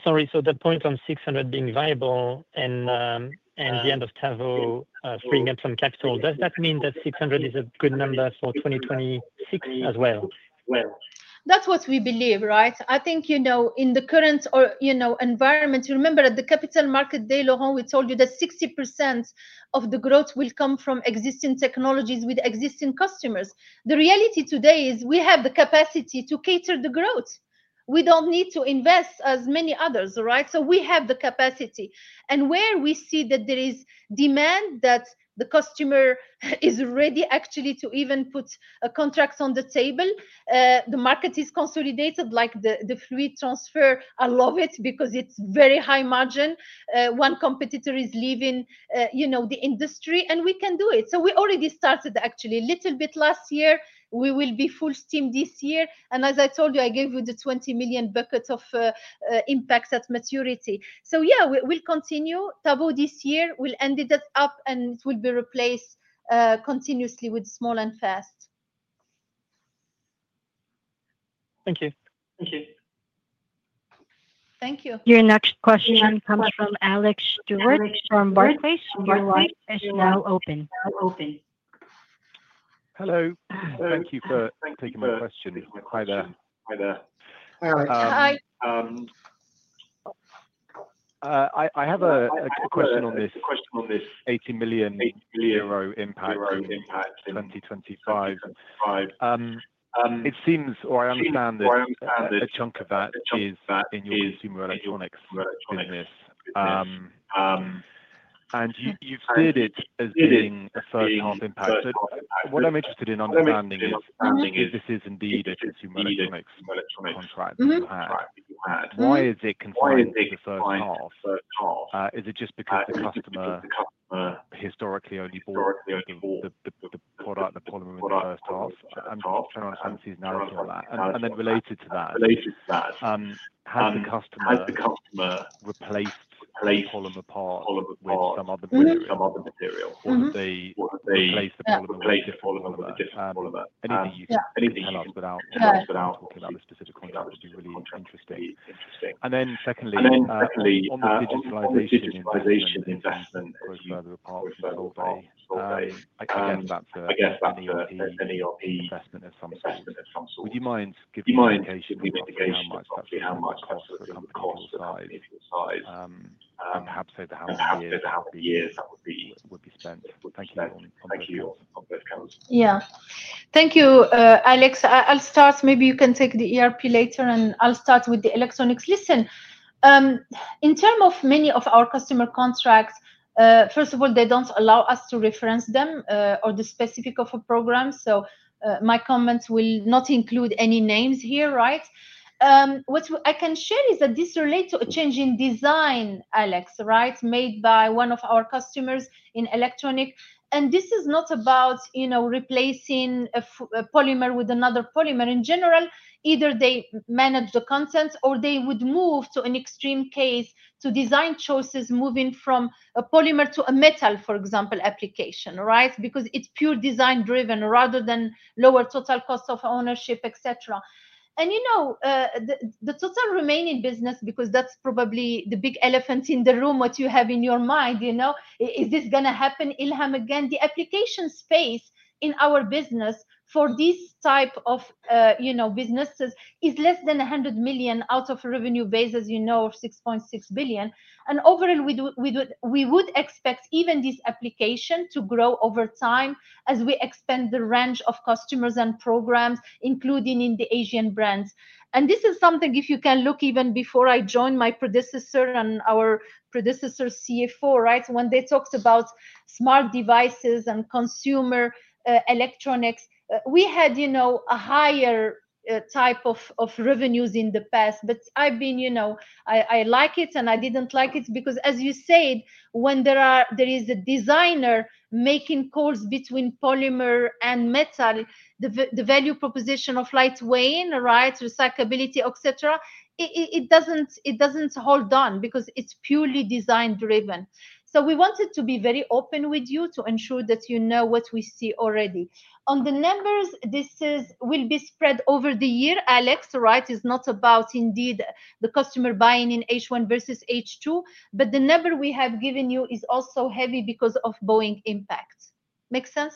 Sorry. The point on 600 being viable and the end of Tavaux freeing up some capital, does that mean that 600 is a good number for 2026 as well? That's what we believe, right? I think in the current environment, remember at the Capital Market Day, Laurent, we told you that 60% of the growth will come from existing technologies with existing customers. The reality today is we have the capacity to cater the growth. We don't need to invest as many others, right? So we have the capacity. And where we see that there is demand that the customer is ready actually to even put a contract on the table, the market is consolidated like the fluid transfer. I love it because it's very high margin. One competitor is leaving the industry, and we can do it. So we already started actually a little bit last year. We will be full steam this year. And as I told you, I gave you the 20 million bucket of impact at maturity. So yeah, we'll continue. Tavaux this year, we'll end it up, and it will be replaced continuously with small and fast. Thank you. Your next question comes from Alex Stewart from Barclays. Your line is now open. Hello. Thank you for taking my question. Hi there. Hi there. Hi. I have a question on this 80 million impact in 2025. It seems, or I understand that a chunk of that is in your consumer electronics business. And you've seen it as being a second-half impact. So what I'm interested in understanding is this is indeed a consumer electronics contract. Why is it confined to the first half? Is it just because the customer historically only bought the product, the polymer, in the first half? I'm trying to understand the narrative on that. And then related to that, has the customer replaced the polymer part with some other material? Or have they replaced the polymer with a different polymer? Anything you can answer without looking at the specific contracts would be really interesting. And then secondly, on the digitalization investment, I guess that's an ERP investment of some sort. Would you mind giving me an indication of how much costs that would be incurred? And perhaps say the how many years that would be spent. Thank you. Thank you. Yeah. Thank you, Alex. I'll start. Maybe you can take the ERP later, and I'll start with the electronics. Listen, in terms of many of our customer contracts, first of all, they don't allow us to reference them or the specifics of a program. So my comments will not include any names here, right? What I can share is that this relates to a change in design, Alex, right, made by one of our customers in electronics. And this is not about replacing a polymer with another polymer. In general, either they manage the contents or they would move to an extreme case to design choices, moving from a polymer to a metal, for example, application, right? Because it's pure design-driven rather than lower total cost of ownership, etc. And the total remaining business, because that's probably the big elephant in the room what you have in your mind, is this going to happen, Ilham, again? The application space in our business for this type of businesses is less than 100 million out of revenue base, as you know, of 6.6 billion. And overall, we would expect even this application to grow over time as we expand the range of customers and programs, including in the Asian brands. This is something, if you can look even before I joined my predecessor and our predecessor CFO, right, when they talked about smart devices and consumer electronics, we had a higher type of revenues in the past. But I like it, and I didn't like it because, as you said, when there is a designer making calls between polymer and metal, the value proposition of lightweight, right, recyclability, etc., it doesn't hold on because it's purely design-driven. So we wanted to be very open with you to ensure that you know what we see already. On the numbers, this will be spread over the year, Alex, right? It's not about indeed the customer buying in H1 versus H2, but the number we have given you is also heavy because of Boeing impact. Makes sense?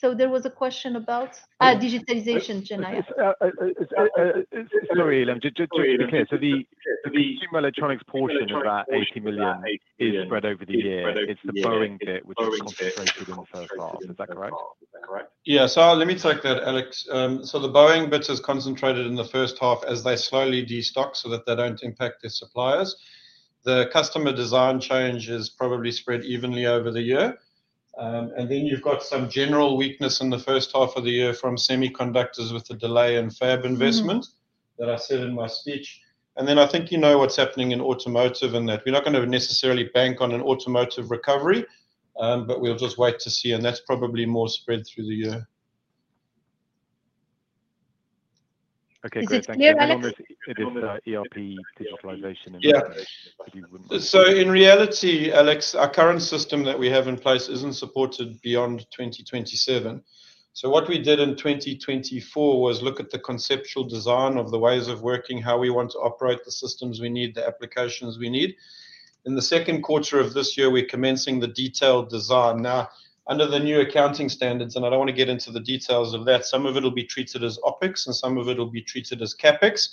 So there was a question about digitalization, GenAI. Sorry, Ilham. To be clear, so the consumer electronics portion of that 80 million is spread over the year. It's the Boeing bit, which is concentrated in the first half. Is that correct? Yeah. So let me take that, Alex. So the Boeing bit is concentrated in the first half as they slowly destock so that they don't impact their suppliers. The customer design change is probably spread evenly over the year. And then you've got some general weakness in the first half of the year from semiconductors with a delay in fab investment that I said in my speech. And then I think you know what's happening in automotive and that we're not going to necessarily bank on an automotive recovery, but we'll just wait to see. And that's probably more spread through the year. Okay. Great. Thank you. It is ERP digitalization in the future. So in reality, Alex, our current system that we have in place isn't supported beyond 2027. So what we did in 2024 was look at the conceptual design of the ways of working, how we want to operate the systems we need, the applications we need. In the second quarter of this year, we're commencing the detailed design. Now, under the new accounting standards, and I don't want to get into the details of that, some of it will be treated as OpEx, and some of it will be treated as CapEx.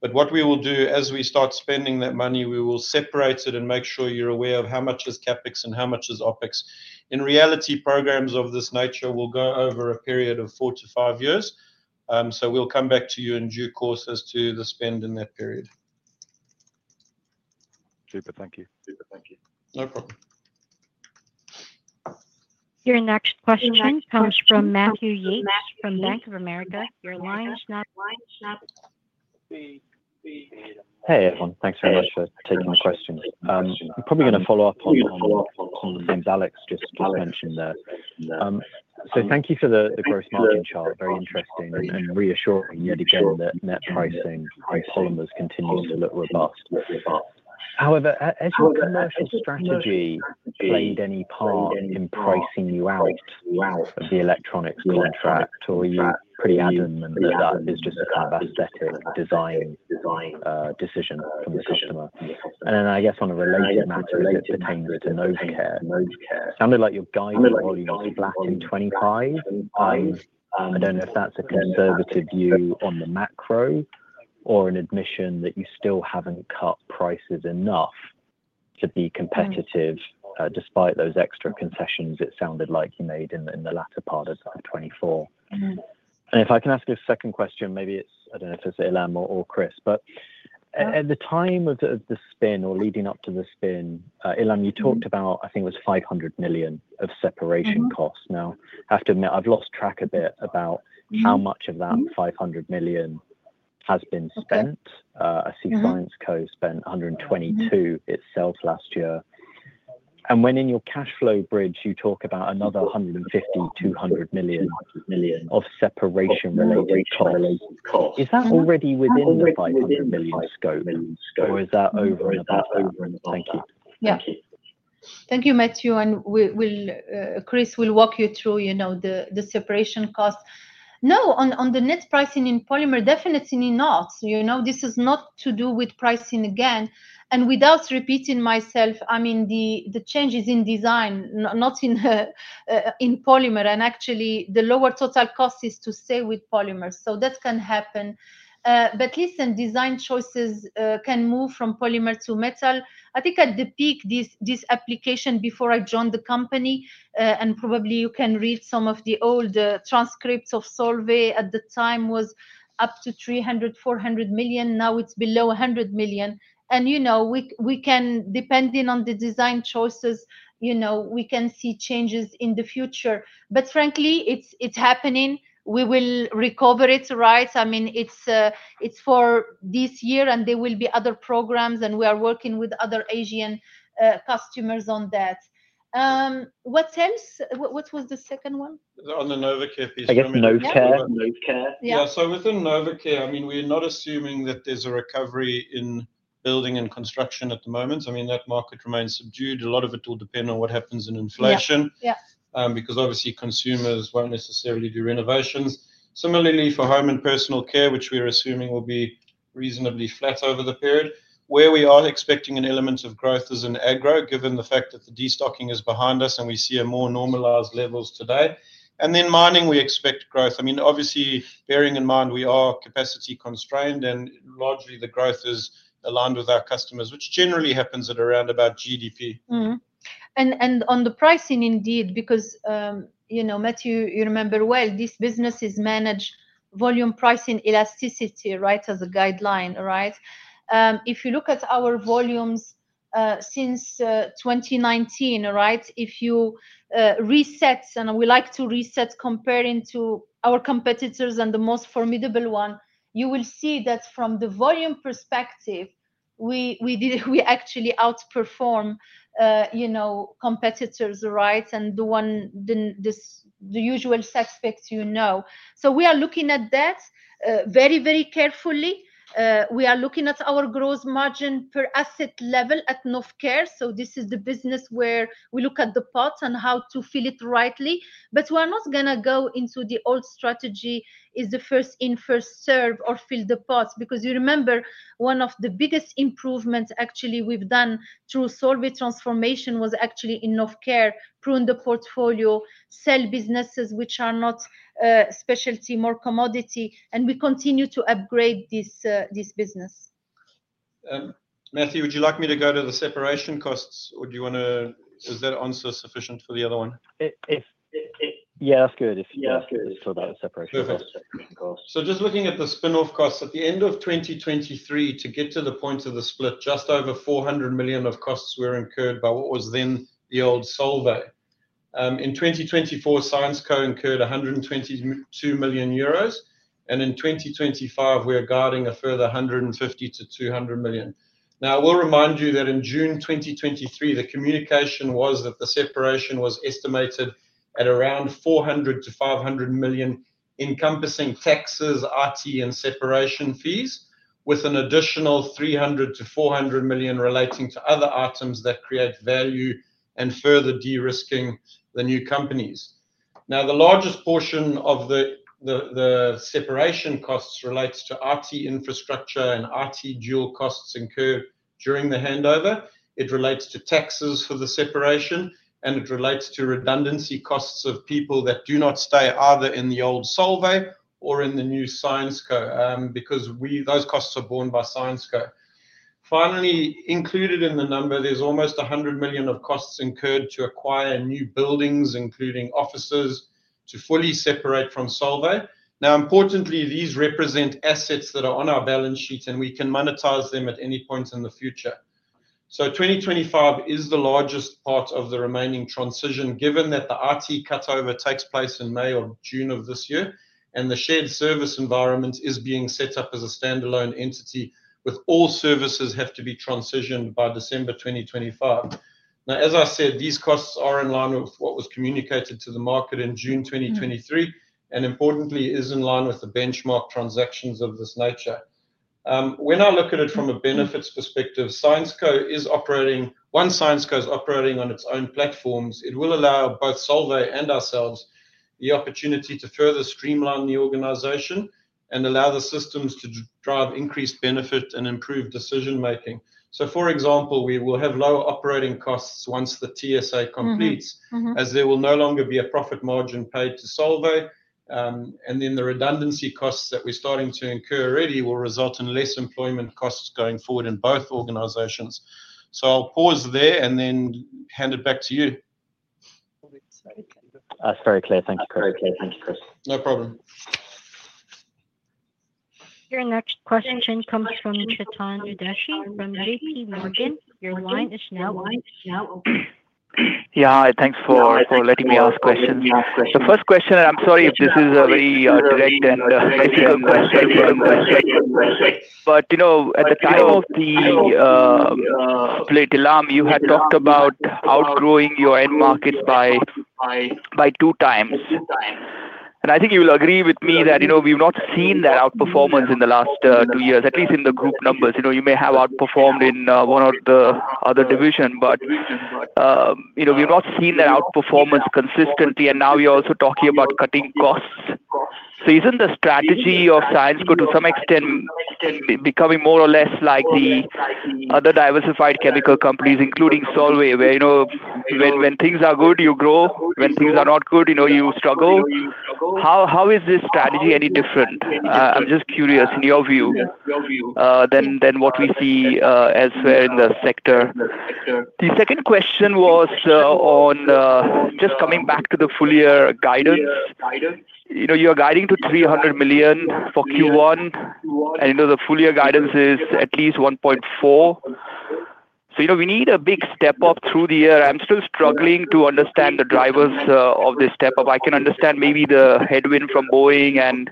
But what we will do as we start spending that money, we will separate it and make sure you're aware of how much is CapEx and how much is OpEx. In reality, programs of this nature will go over a period of four to five years. So we'll come back to you in due course as to the spend in that period. Super. Thank you. No problem. Your next question comes from Matthew Yates from Bank of America. Your line is now. Hey, everyone. Thanks very much for taking the question. I'm probably going to follow up on the things Alex just mentioned there. So thank you for the gross margin chart. Very interesting and reassuring yet again that net pricing and polymers continue to look robust. However, has your commercial strategy played any part in pricing you out of the electronics contract, or are you pretty adamant that that is just a kind of aesthetic design decision from the customer? And then I guess on a related matter, related to Novecare, it sounded like your guidance volume was flat in 2025. I don't know if that's a conservative view on the macro or an admission that you still haven't cut prices enough to be competitive despite those extra concessions it sounded like you made in the latter part of 2024. And if I can ask a second question, maybe it's—I don't know if it's Ilham or Chris—but at the time of the spin or leading up to the spin, Ilham, you talked about, I think it was 500 million of separation costs. Now, I have to admit, I've lost track a bit about how much of that 500 million has been spent. I see Syensqo spent 122 million itself last year. And when in your cash flow bridge, you talk about another 150 million-200 million of separation-related costs. Is that already within the 500 million scope, or is that over? Thank you. Thank you. Thank you, Matthew. Chris will walk you through the separation cost. No, on the net pricing in polymer, definitely not. This is not to do with pricing again. Without repeating myself, I mean, the change is in design, not in polymer. Actually, the lower total cost is to stay with polymers. So that can happen. Listen, design choices can move from polymer to metal. I think at the peak, this application before I joined the company, and probably you can read some of the old transcripts of Solvay at the time, was up to 300 million-400 million. Now it's below 100 million. We can, depending on the design choices, see changes in the future. Frankly, it's happening. We will recover it, right? I mean, it's for this year, and there will be other programs, and we are working with other Asian customers on that. What else? What was the second one? On the Novecare piece. I guess Novecare. Yeah. So within Novecare, I mean, we're not assuming that there's a recovery in building and construction at the moment. I mean, that market remains subdued. A lot of it will depend on what happens in inflation because obviously, consumers won't necessarily do renovations. Similarly, for home and personal care, which we are assuming will be reasonably flat over the period. Where we are expecting an element of growth is in AgRHO, given the fact that the destocking is behind us and we see more normalized levels today. And then mining, we expect growth. I mean, obviously, bearing in mind we are capacity constrained, and largely the growth is aligned with our customers, which generally happens at around about GDP. On the pricing, indeed, because Matthew, you remember well, this business is managed volume pricing elasticity, right, as a guideline, right? If you look at our volumes since 2019, right, if you reset, and we like to reset comparing to our competitors and the most formidable one, you will see that from the volume perspective, we actually outperform competitors, right, and the usual suspects you know. We are looking at that very, very carefully. We are looking at our gross margin per asset level at Novecare. This is the business where we look at the pots and how to fill it rightly. But we're not going to go into the old strategy is the first in, first serve, or fill the pots because you remember one of the biggest improvements actually we've done through Solvay transformation was actually in Novecare, prune the portfolio, sell businesses which are not specialty, more commodity, and we continue to upgrade this business. Matthew, would you like me to go to the separation costs, or do you want to, is that answer sufficient for the other one? Yeah, that's good. Yeah, that's good. It's about the separation costs. So just looking at the spin-off costs, at the end of 2023, to get to the point of the split, just over 400 million of costs were incurred by what was then the old Solvay. In 2024, Syensqo incurred 122 million euros, and in 2025, we're guiding a further 150 million-200 million. Now, I will remind you that in June 2023, the communication was that the separation was estimated at around 400 million-500 million encompassing taxes, IT, and separation fees, with an additional 300 million-400 million relating to other items that create value and further de-risking the new companies. Now, the largest portion of the separation costs relates to IT infrastructure and IT dual costs incurred during the handover. It relates to taxes for the separation, and it relates to redundancy costs of people that do not stay either in the old Solvay or in the new Syensqo because those costs are borne by Syensqo. Finally, included in the number, there's almost 100 million of costs incurred to acquire new buildings, including offices, to fully separate from Solvay. Now, importantly, these represent assets that are on our balance sheet, and we can monetize them at any point in the future. 2025 is the largest part of the remaining transition, given that the IT cutover takes place in May or June of this year, and the shared service environment is being set up as a standalone entity with all services having to be transitioned by December 2025. Now, as I said, these costs are in line with what was communicated to the market in June 2023, and importantly, it is in line with the benchmark transactions of this nature. When I look at it from a benefits perspective, Syensqo is operating on its own platforms. It will allow both Solvay and ourselves the opportunity to further streamline the organization and allow the systems to drive increased benefit and improve decision-making. For example, we will have lower operating costs once the TSA completes, as there will no longer be a profit margin paid to Solvay. And then the redundancy costs that we're starting to incur already will result in less employment costs going forward in both organizations. So I'll pause there and then hand it back to you. Sorry, Chris. Thank you, Chris. No problem. Your next question comes from Chetan Udeshi from JPMorgan. Your line is now open. Yeah. Hi. Thanks for letting me ask questions. The first question, and I'm sorry if this is a very direct and basic question, but at the time of the spin-off, you had talked about outgrowing your end markets by two times. And I think you will agree with me that we've not seen that outperformance in the last two years, at least in the group numbers. You may have outperformed in one of the other divisions, but we've not seen that outperformance consistently. And now you're also talking about cutting costs. Isn't the strategy of Syensqo, to some extent, becoming more or less like the other diversified chemical companies, including Solvay, where when things are good, you grow? When things are not good, you struggle? How is this strategy any different? I'm just curious, in your view, than what we see elsewhere in the sector? The second question was on just coming back to the full-year guidance. You're guiding to 300 million for Q1, and the full-year guidance is at least 1.4 billion. So we need a big step up through the year. I'm still struggling to understand the drivers of this step up. I can understand maybe the headwind from Boeing and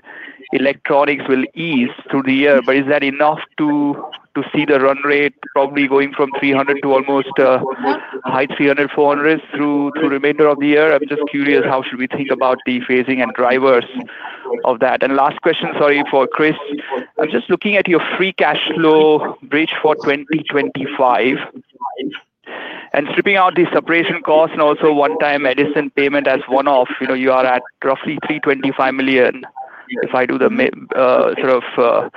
electronics will ease through the year, but is that enough to see the run rate probably going from 300 to almost high 300, 400 through the remainder of the year? I'm just curious how should we think about the phasing and drivers of that. And last question, sorry, for Chris. I'm just looking at your free cash flow bridge for 2025 and stripping out the separation costs and also one-time remediation payment as one-off. You are at roughly 325 million. If I do the sort of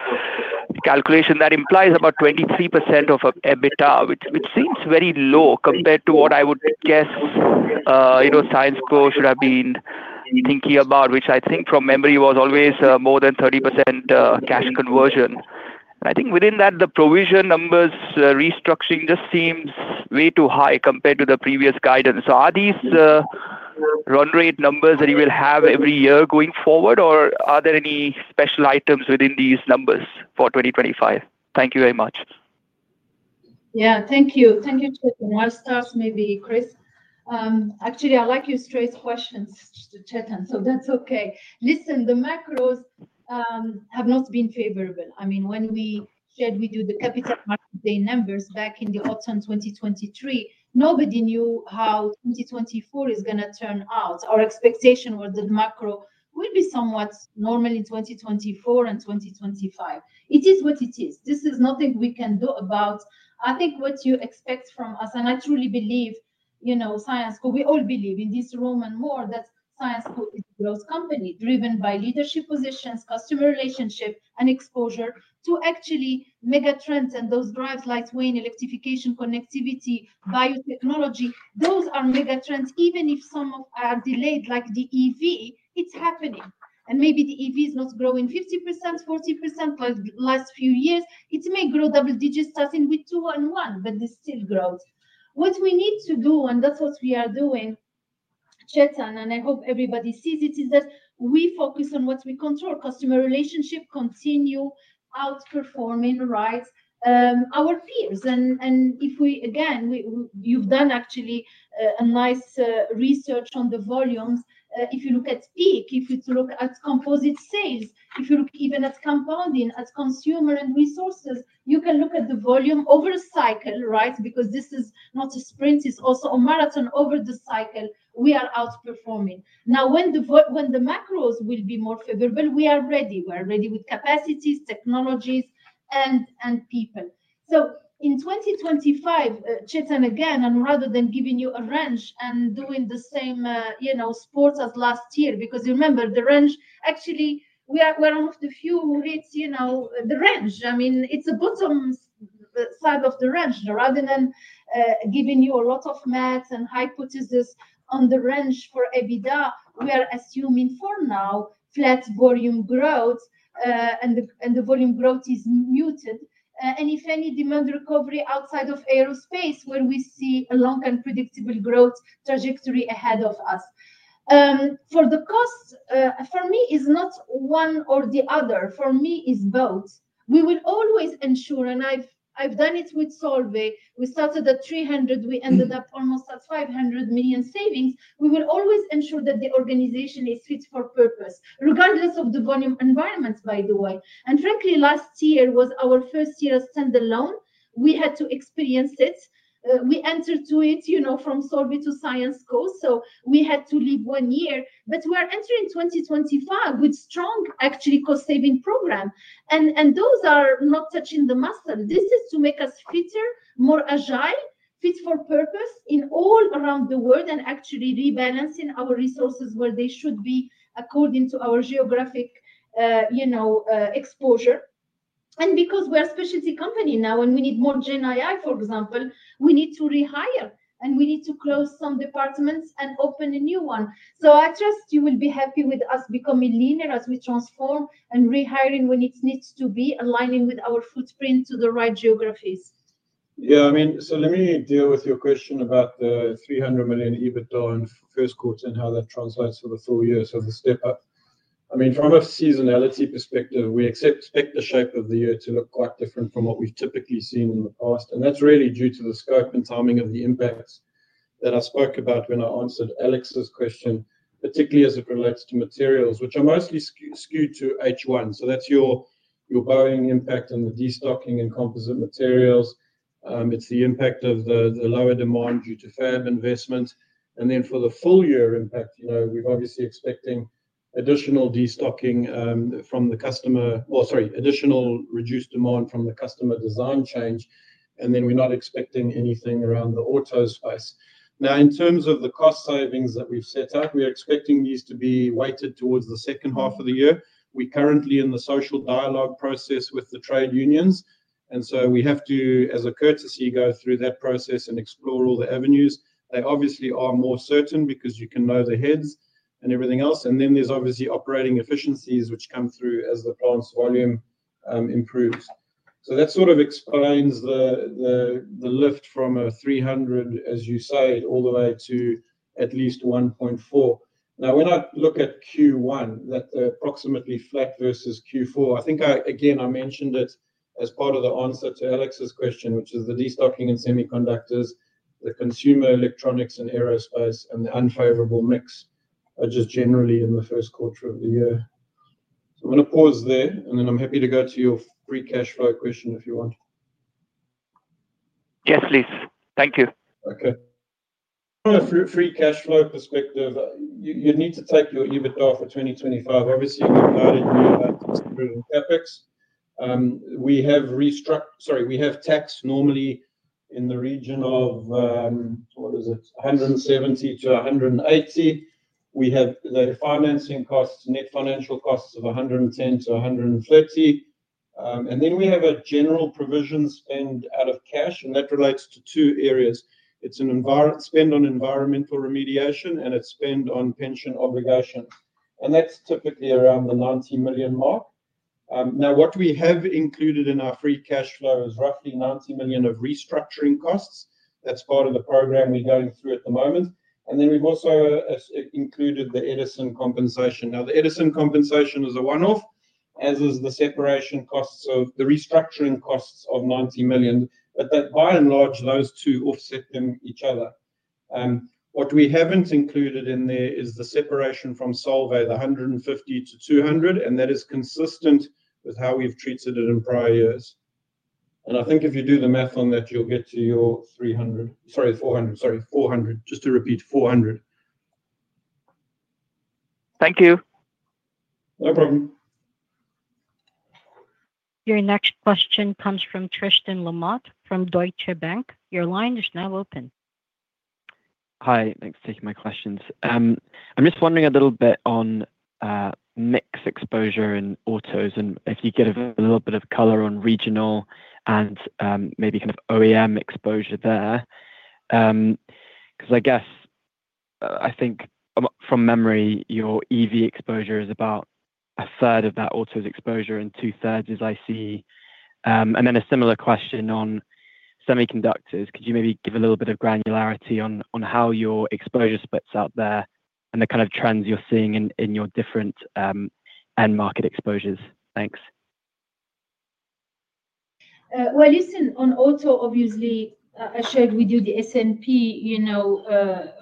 calculation, that implies about 23% of EBITDA, which seems very low compared to what I would guess Syensqo should have been thinking about, which I think from memory was always more than 30% cash conversion. And I think within that, the provision for restructuring just seems way too high compared to the previous guidance. So are these run rate numbers that you will have every year going forward, or are there any special items within these numbers for 2025? Thank you very much. Yeah. Thank you. Thank you, Chetan. I'll start maybe, Chris. Actually, I like your straight questions, Chetan, so that's okay. Listen, the macros have not been favorable. I mean, when we shared with you the capital market day numbers back in the autumn 2023, nobody knew how 2024 is going to turn out. Our expectation was that macro will be somewhat normal in 2024 and 2025. It is what it is. This is nothing we can do about. I think what you expect from us, and I truly believe Syensqo—we all believe in this room and more—that Syensqo is a growth company driven by leadership positions, customer relationship, and exposure to actual mega trends, and those drivers like wind, electrification, connectivity, biotechnology. Those are mega trends. Even if some are delayed like the EV, it's happening, and maybe the EV is not growing 50%, 40% like the last few years. It may grow double digits, starting with 211, but this still grows. What we need to do, and that's what we are doing, Chetan, and I hope everybody sees it, is that we focus on what we control. Customer relationship continues outperforming, right, our peers, and if we, again, you've done actually a nice research on the volumes. If you look at PEEK, if you look at composite sales, if you look even at compounding, at Consumer & Resources, you can look at the volume over a cycle, right? Because this is not a sprint. It's also a marathon over the cycle. We are outperforming. Now, when the macros will be more favorable, we are ready. We are ready with capacities, technologies, and people. So in 2025, Chetan, again, and rather than giving you a range and doing the same sort as last year, because remember, the range, actually, we are one of the few who reads the range. I mean, it's the bottom side of the range. Rather than giving you a lot of math and hypotheses on the range for EBITDA, we are assuming for now flat volume growth, and the volume growth is muted. And if any demand recovery outside of aerospace, where we see a long and predictable growth trajectory ahead of us. For the cost, for me, it's not one or the other. For me, it's both. We will always ensure, and I've done it with Solvay. We started at 300 million. We ended up almost at 500 million savings. We will always ensure that the organization is fit for purpose, regardless of the volume environment, by the way. Frankly, last year was our first year as standalone. We had to experience it. We entered to it from Solvay to Syensqo, so we had to leave one year. But we are entering 2025 with strong, actually, cost-saving programs. And those are not touching the muscle. This is to make us fitter, more agile, fit for purpose in all around the world, and actually rebalancing our resources where they should be according to our geographic exposure. And because we are a specialty company now, and we need more GenAI, for example, we need to rehire, and we need to close some departments and open a new one. So I trust you will be happy with us becoming leaner as we transform and rehiring when it needs to be, aligning with our footprint to the right geographies. Yeah. I mean, so let me deal with your question about the 300 million EBITDA in first quarter and how that translates for the full year of the step-up. I mean, from a seasonality perspective, we expect the shape of the year to look quite different from what we've typically seen in the past. And that's really due to the scope and timing of the impacts that I spoke about when I answered Alex's question, particularly as it relates to materials, which are mostly skewed to H1. So that's your buying impact on the destocking and Composite Materials. It's the impact of the lower demand due to fab investment. And then for the full-year impact, we're obviously expecting additional destocking from the customer, well, sorry, additional reduced demand from the customer design change. And then we're not expecting anything around the auto space. Now, in terms of the cost savings that we've set up, we're expecting these to be weighted towards the second half of the year. We're currently in the social dialogue process with the trade unions. And so we have to, as a courtesy, go through that process and explore all the avenues. They obviously are more certain because you can know the heads and everything else. And then there's obviously operating efficiencies, which come through as the plant's volume improves. So that sort of explains the lift from a 300, as you say, all the way to at least 1.4. Now, when I look at Q1, that's approximately flat versus Q4. I think, again, I mentioned it as part of the answer to Alex's question, which is the destocking in semiconductors, the consumer electronics and aerospace, and the unfavorable mix are just generally in the first quarter of the year. So I'm going to pause there, and then I'm happy to go to your free cash flow question if you want. Yes, please. Thank you. Okay. From a free cash flow perspective, you need to take your EBITDA for 2025. Obviously, you've got guidance here about the CapEx. We have restructured, sorry, we have tax normally in the region of, what is it, 170-180. We have the financing costs, net financial costs of 110-130. And then we have a general provision spend out of cash, and that relates to two areas. It's a spend on environmental remediation, and it's a spend on pension obligation. And that's typically around the 90 million mark. Now, what we have included in our free cash flow is roughly 90 million of restructuring costs. That's part of the program we're going through at the moment. And then we've also included the Edison compensation. Now, the Edison compensation is a one-off, as is the separation costs of the restructuring costs of 90 million. But by and large, those two offset each other. What we haven't included in there is the separation from Solvay, the 150 million-200 million, and that is consistent with how we've treated it in prior years. And I think if you do the math on that, you'll get to your 300 million, sorry, 400 million. Sorry, 400 million. Just to repeat, 400 million. Thank you. No problem. Your next question comes from Tristan Lamotte from Deutsche Bank. Your line is now open. Hi. Thanks for taking my questions. I'm just wondering a little bit on mix exposure in autos and if you get a little bit of color on regional and maybe kind of OEM exposure there. Because I guess, I think from memory, your EV exposure is about a third of that auto's exposure and two-thirds, as I see. And then a similar question on semiconductors. Could you maybe give a little bit of granularity on how your exposure splits out there and the kind of trends you're seeing in your different end market exposures? Thanks. Well, listen, on auto, obviously, I shared with you the S&P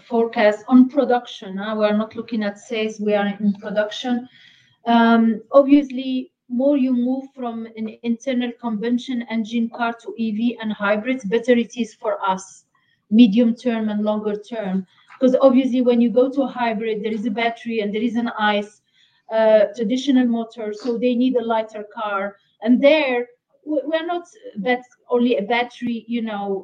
forecast on production. We're not looking at sales. We are in production. Obviously, more you move from an internal combustion engine car to EV and hybrids, the better it is for us, medium term and longer term. Because obviously, when you go to hybrid, there is a battery and there is an ICE, traditional motor, so they need a lighter car. And there, we're not only a battery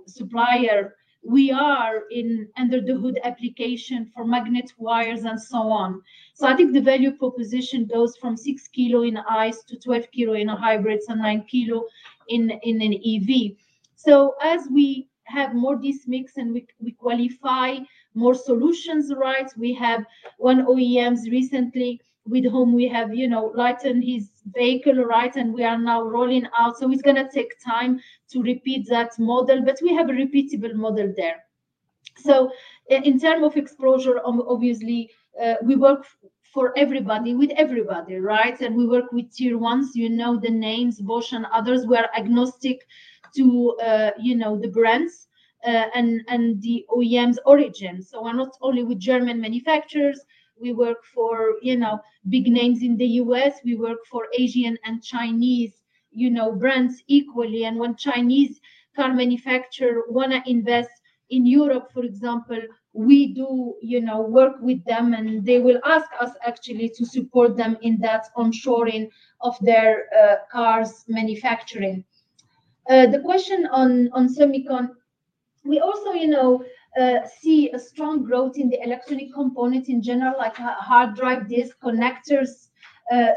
supplier. We are in under-the-hood application for magnet wires and so on. So I think the value proposition goes from six kilo in ICE to 12 kilo in a hybrid and nine kilo in an EV. So as we have more this mix and we qualify more solutions, right, we have one OEMs recently with whom we have lightened his vehicle, right, and we are now rolling out. So it's going to take time to repeat that model, but we have a repeatable model there. So in terms of exposure, obviously, we work for everybody with everybody, right? And we work with tier ones, you know the names, Bosch and others. We are agnostic to the brands and the OEMs' origin. So we're not only with German manufacturers. We work for big names in the U.S. We work for Asian and Chinese brands equally. When Chinese car manufacturers want to invest in Europe, for example, we do work with them, and they will ask us actually to support them in that onshoring of their cars manufacturing. The question on semiconductors, we also see a strong growth in the electronic components in general, like hard drive disk connectors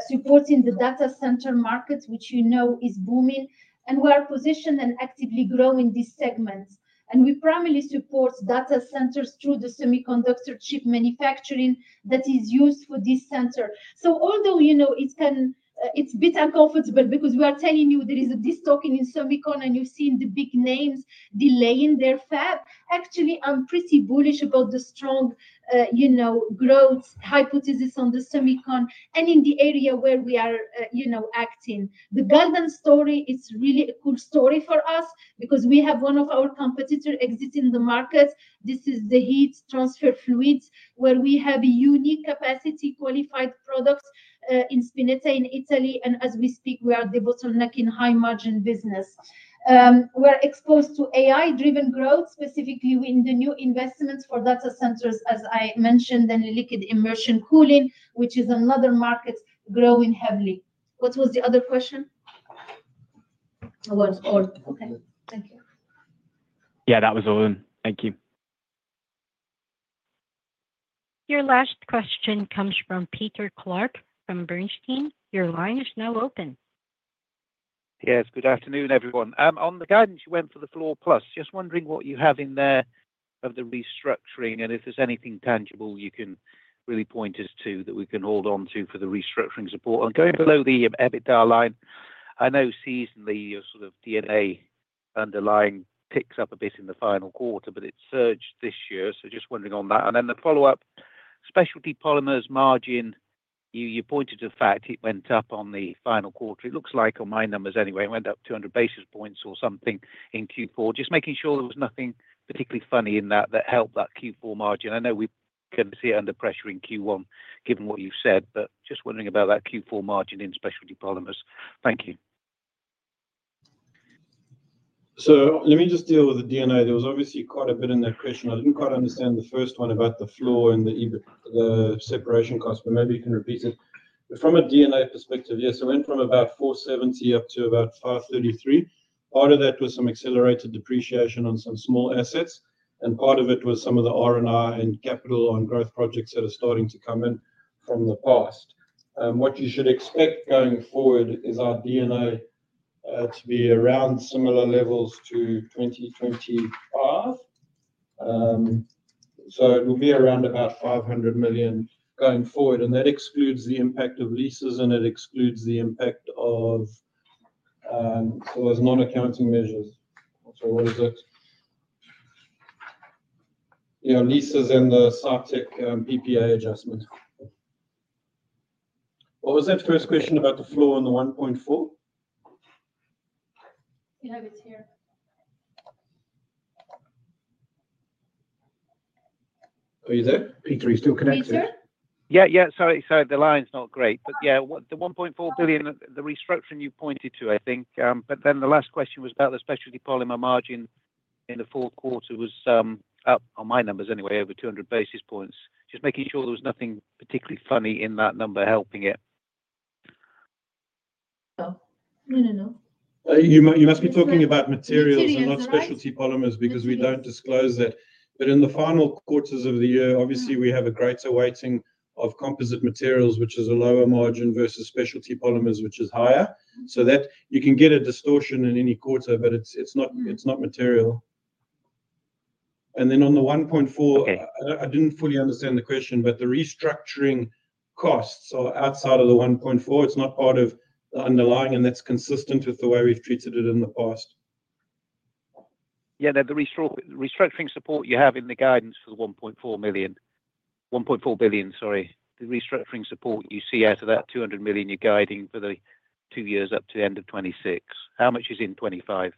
supporting the data center market, which is booming. And we are positioned and actively growing this segment. And we primarily support data centers through the semiconductor chip manufacturing that is used for this center. So although it's a bit uncomfortable because we are telling you there is a destocking in semiconductors, and you've seen the big names delaying their fab, actually, I'm pretty bullish about the strong growth hypothesis on the semiconductors and in the area where we are acting. The Galden story, it's really a cool story for us because we have one of our competitors exiting the market. This is the heat transfer fluids, where we have a unique capacity qualified product in Spinetta in Italy, and as we speak, we are the bottleneck in high-margin business. We're exposed to AI-driven growth, specifically in the new investments for data centers, as I mentioned, and liquid immersion cooling, which is another market growing heavily. What was the other question? It was all. Okay. Thank you. Yeah, that was all. Thank you. Your last question comes from Peter Clark from Bernstein. Your line is now open. Yes. Good afternoon, everyone. On the guidance, you went for the floor plus. Just wondering what you have in there of the restructuring and if there's anything tangible you can really point us to that we can hold on to for the restructuring support. I'm going below the EBITDA line. I know seasonally, your sort of D&A underlying picks up a bit in the final quarter, but it's surged this year. So just wondering on that. And then the follow-up, specialty polymers margin, you pointed to the fact it went up on the final quarter. It looks like on my numbers anyway, it went up 200 basis points or something in Q4. Just making sure there was nothing particularly funny in that that helped that Q4 margin. I know we can see it under pressure in Q1, given what you've said, but just wondering about that Q4 margin in specialty polymers. Thank you. So let me just deal with the D&A. There was obviously quite a bit in that question. I didn't quite understand the first one about the floor and the separation cost, but maybe you can repeat it. From a D&A perspective, yes. It went from about 470 million up to about 533 million. Part of that was some accelerated depreciation on some small assets, and part of it was some of the R&I and capital on growth projects that are starting to come in from the past. What you should expect going forward is our D&A to be around similar levels to 2025. So it will be around about 500 million going forward. And that excludes the impact of leases, and it excludes the impact of, so as non-accounting measures. So what is it? Yeah, leases and the Cytec PPA adjustment. What was that first question about the floor and the 1.4 billion? Yeah, it's here. Are you there? Peter, are you still connected? Peter. Yeah, yeah. Sorry, sorry. The line's not great. But yeah, the 1.4 billion, the restructuring you pointed to, I think. But then the last question was about the specialty polymer margin in the fourth quarter was up, on my numbers anyway, over 200 basis points. Just making sure there was nothing particularly funny in that number helping it. No, no, no. You must be talking about materials and not specialty polymers because we don't disclose it. But in the final quarters of the year, obviously, we have a greater weighting of Composite Materials, which is a lower margin versus specialty polymers, which is higher. So you can get a distortion in any quarter, but it's not material. And then on the 1.4 billion, I didn't fully understand the question, but the restructuring costs are outside of the 1.4 billion. It's not part of the underlying, and that's consistent with the way we've treated it in the past. Yeah, the restructuring support you have in the guidance for the 1.4 million. 1.4 billion, sorry. The restructuring support you see out of that 200 million you're guiding for the two years up to the end of 2026. How much is in 2025?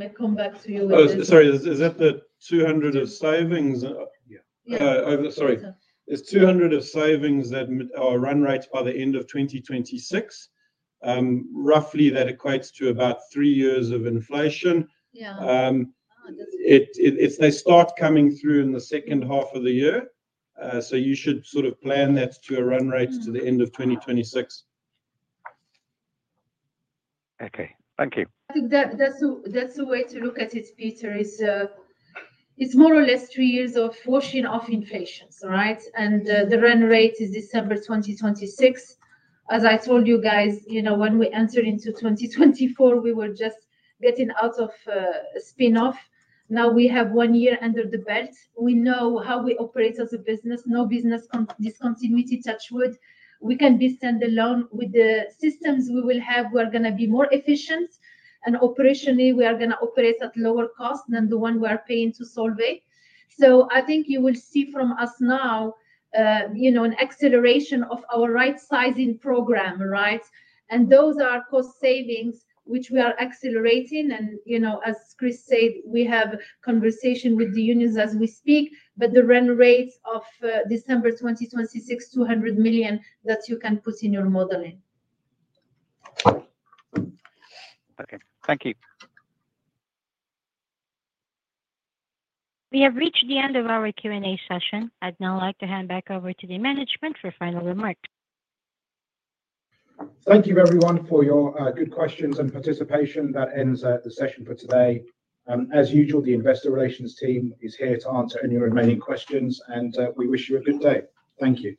I'll come back to you with that. Sorry, is that the 200 million of savings? Yeah. Sorry. It's 200 million of savings that are run rates by the end of 2026. Roughly, that equates to about three years of inflation. They start coming through in the second half of the year. So you should sort of plan that to run rates to the end of 2026. Okay. Thank you. I think that's the way to look at it, Peter. It's more or less three years of washing off inflations, right? And the run rate is December 2026. As I told you guys, when we entered into 2024, we were just getting out of spin-off. Now we have one year under the belt. We know how we operate as a business. No business discontinuity, touch wood. We can be standalone. With the systems we will have, we're going to be more efficient. And operationally, we are going to operate at lower cost than the one we are paying to Solvay. So I think you will see from us now an acceleration of our right-sizing program, right? And those are cost savings, which we are accelerating. And as Chris said, we have conversation with the unions as we speak, but the run rate of December 2026, 200 million that you can put in your modeling. Okay. Thank you. We have reached the end of our Q&A session. I'd now like to hand back over to the management for final remarks. Thank you, everyone, for your good questions and participation. That ends the session for today. As usual, the investor relations team is here to answer any remaining questions, and we wish you a good day. Thank you.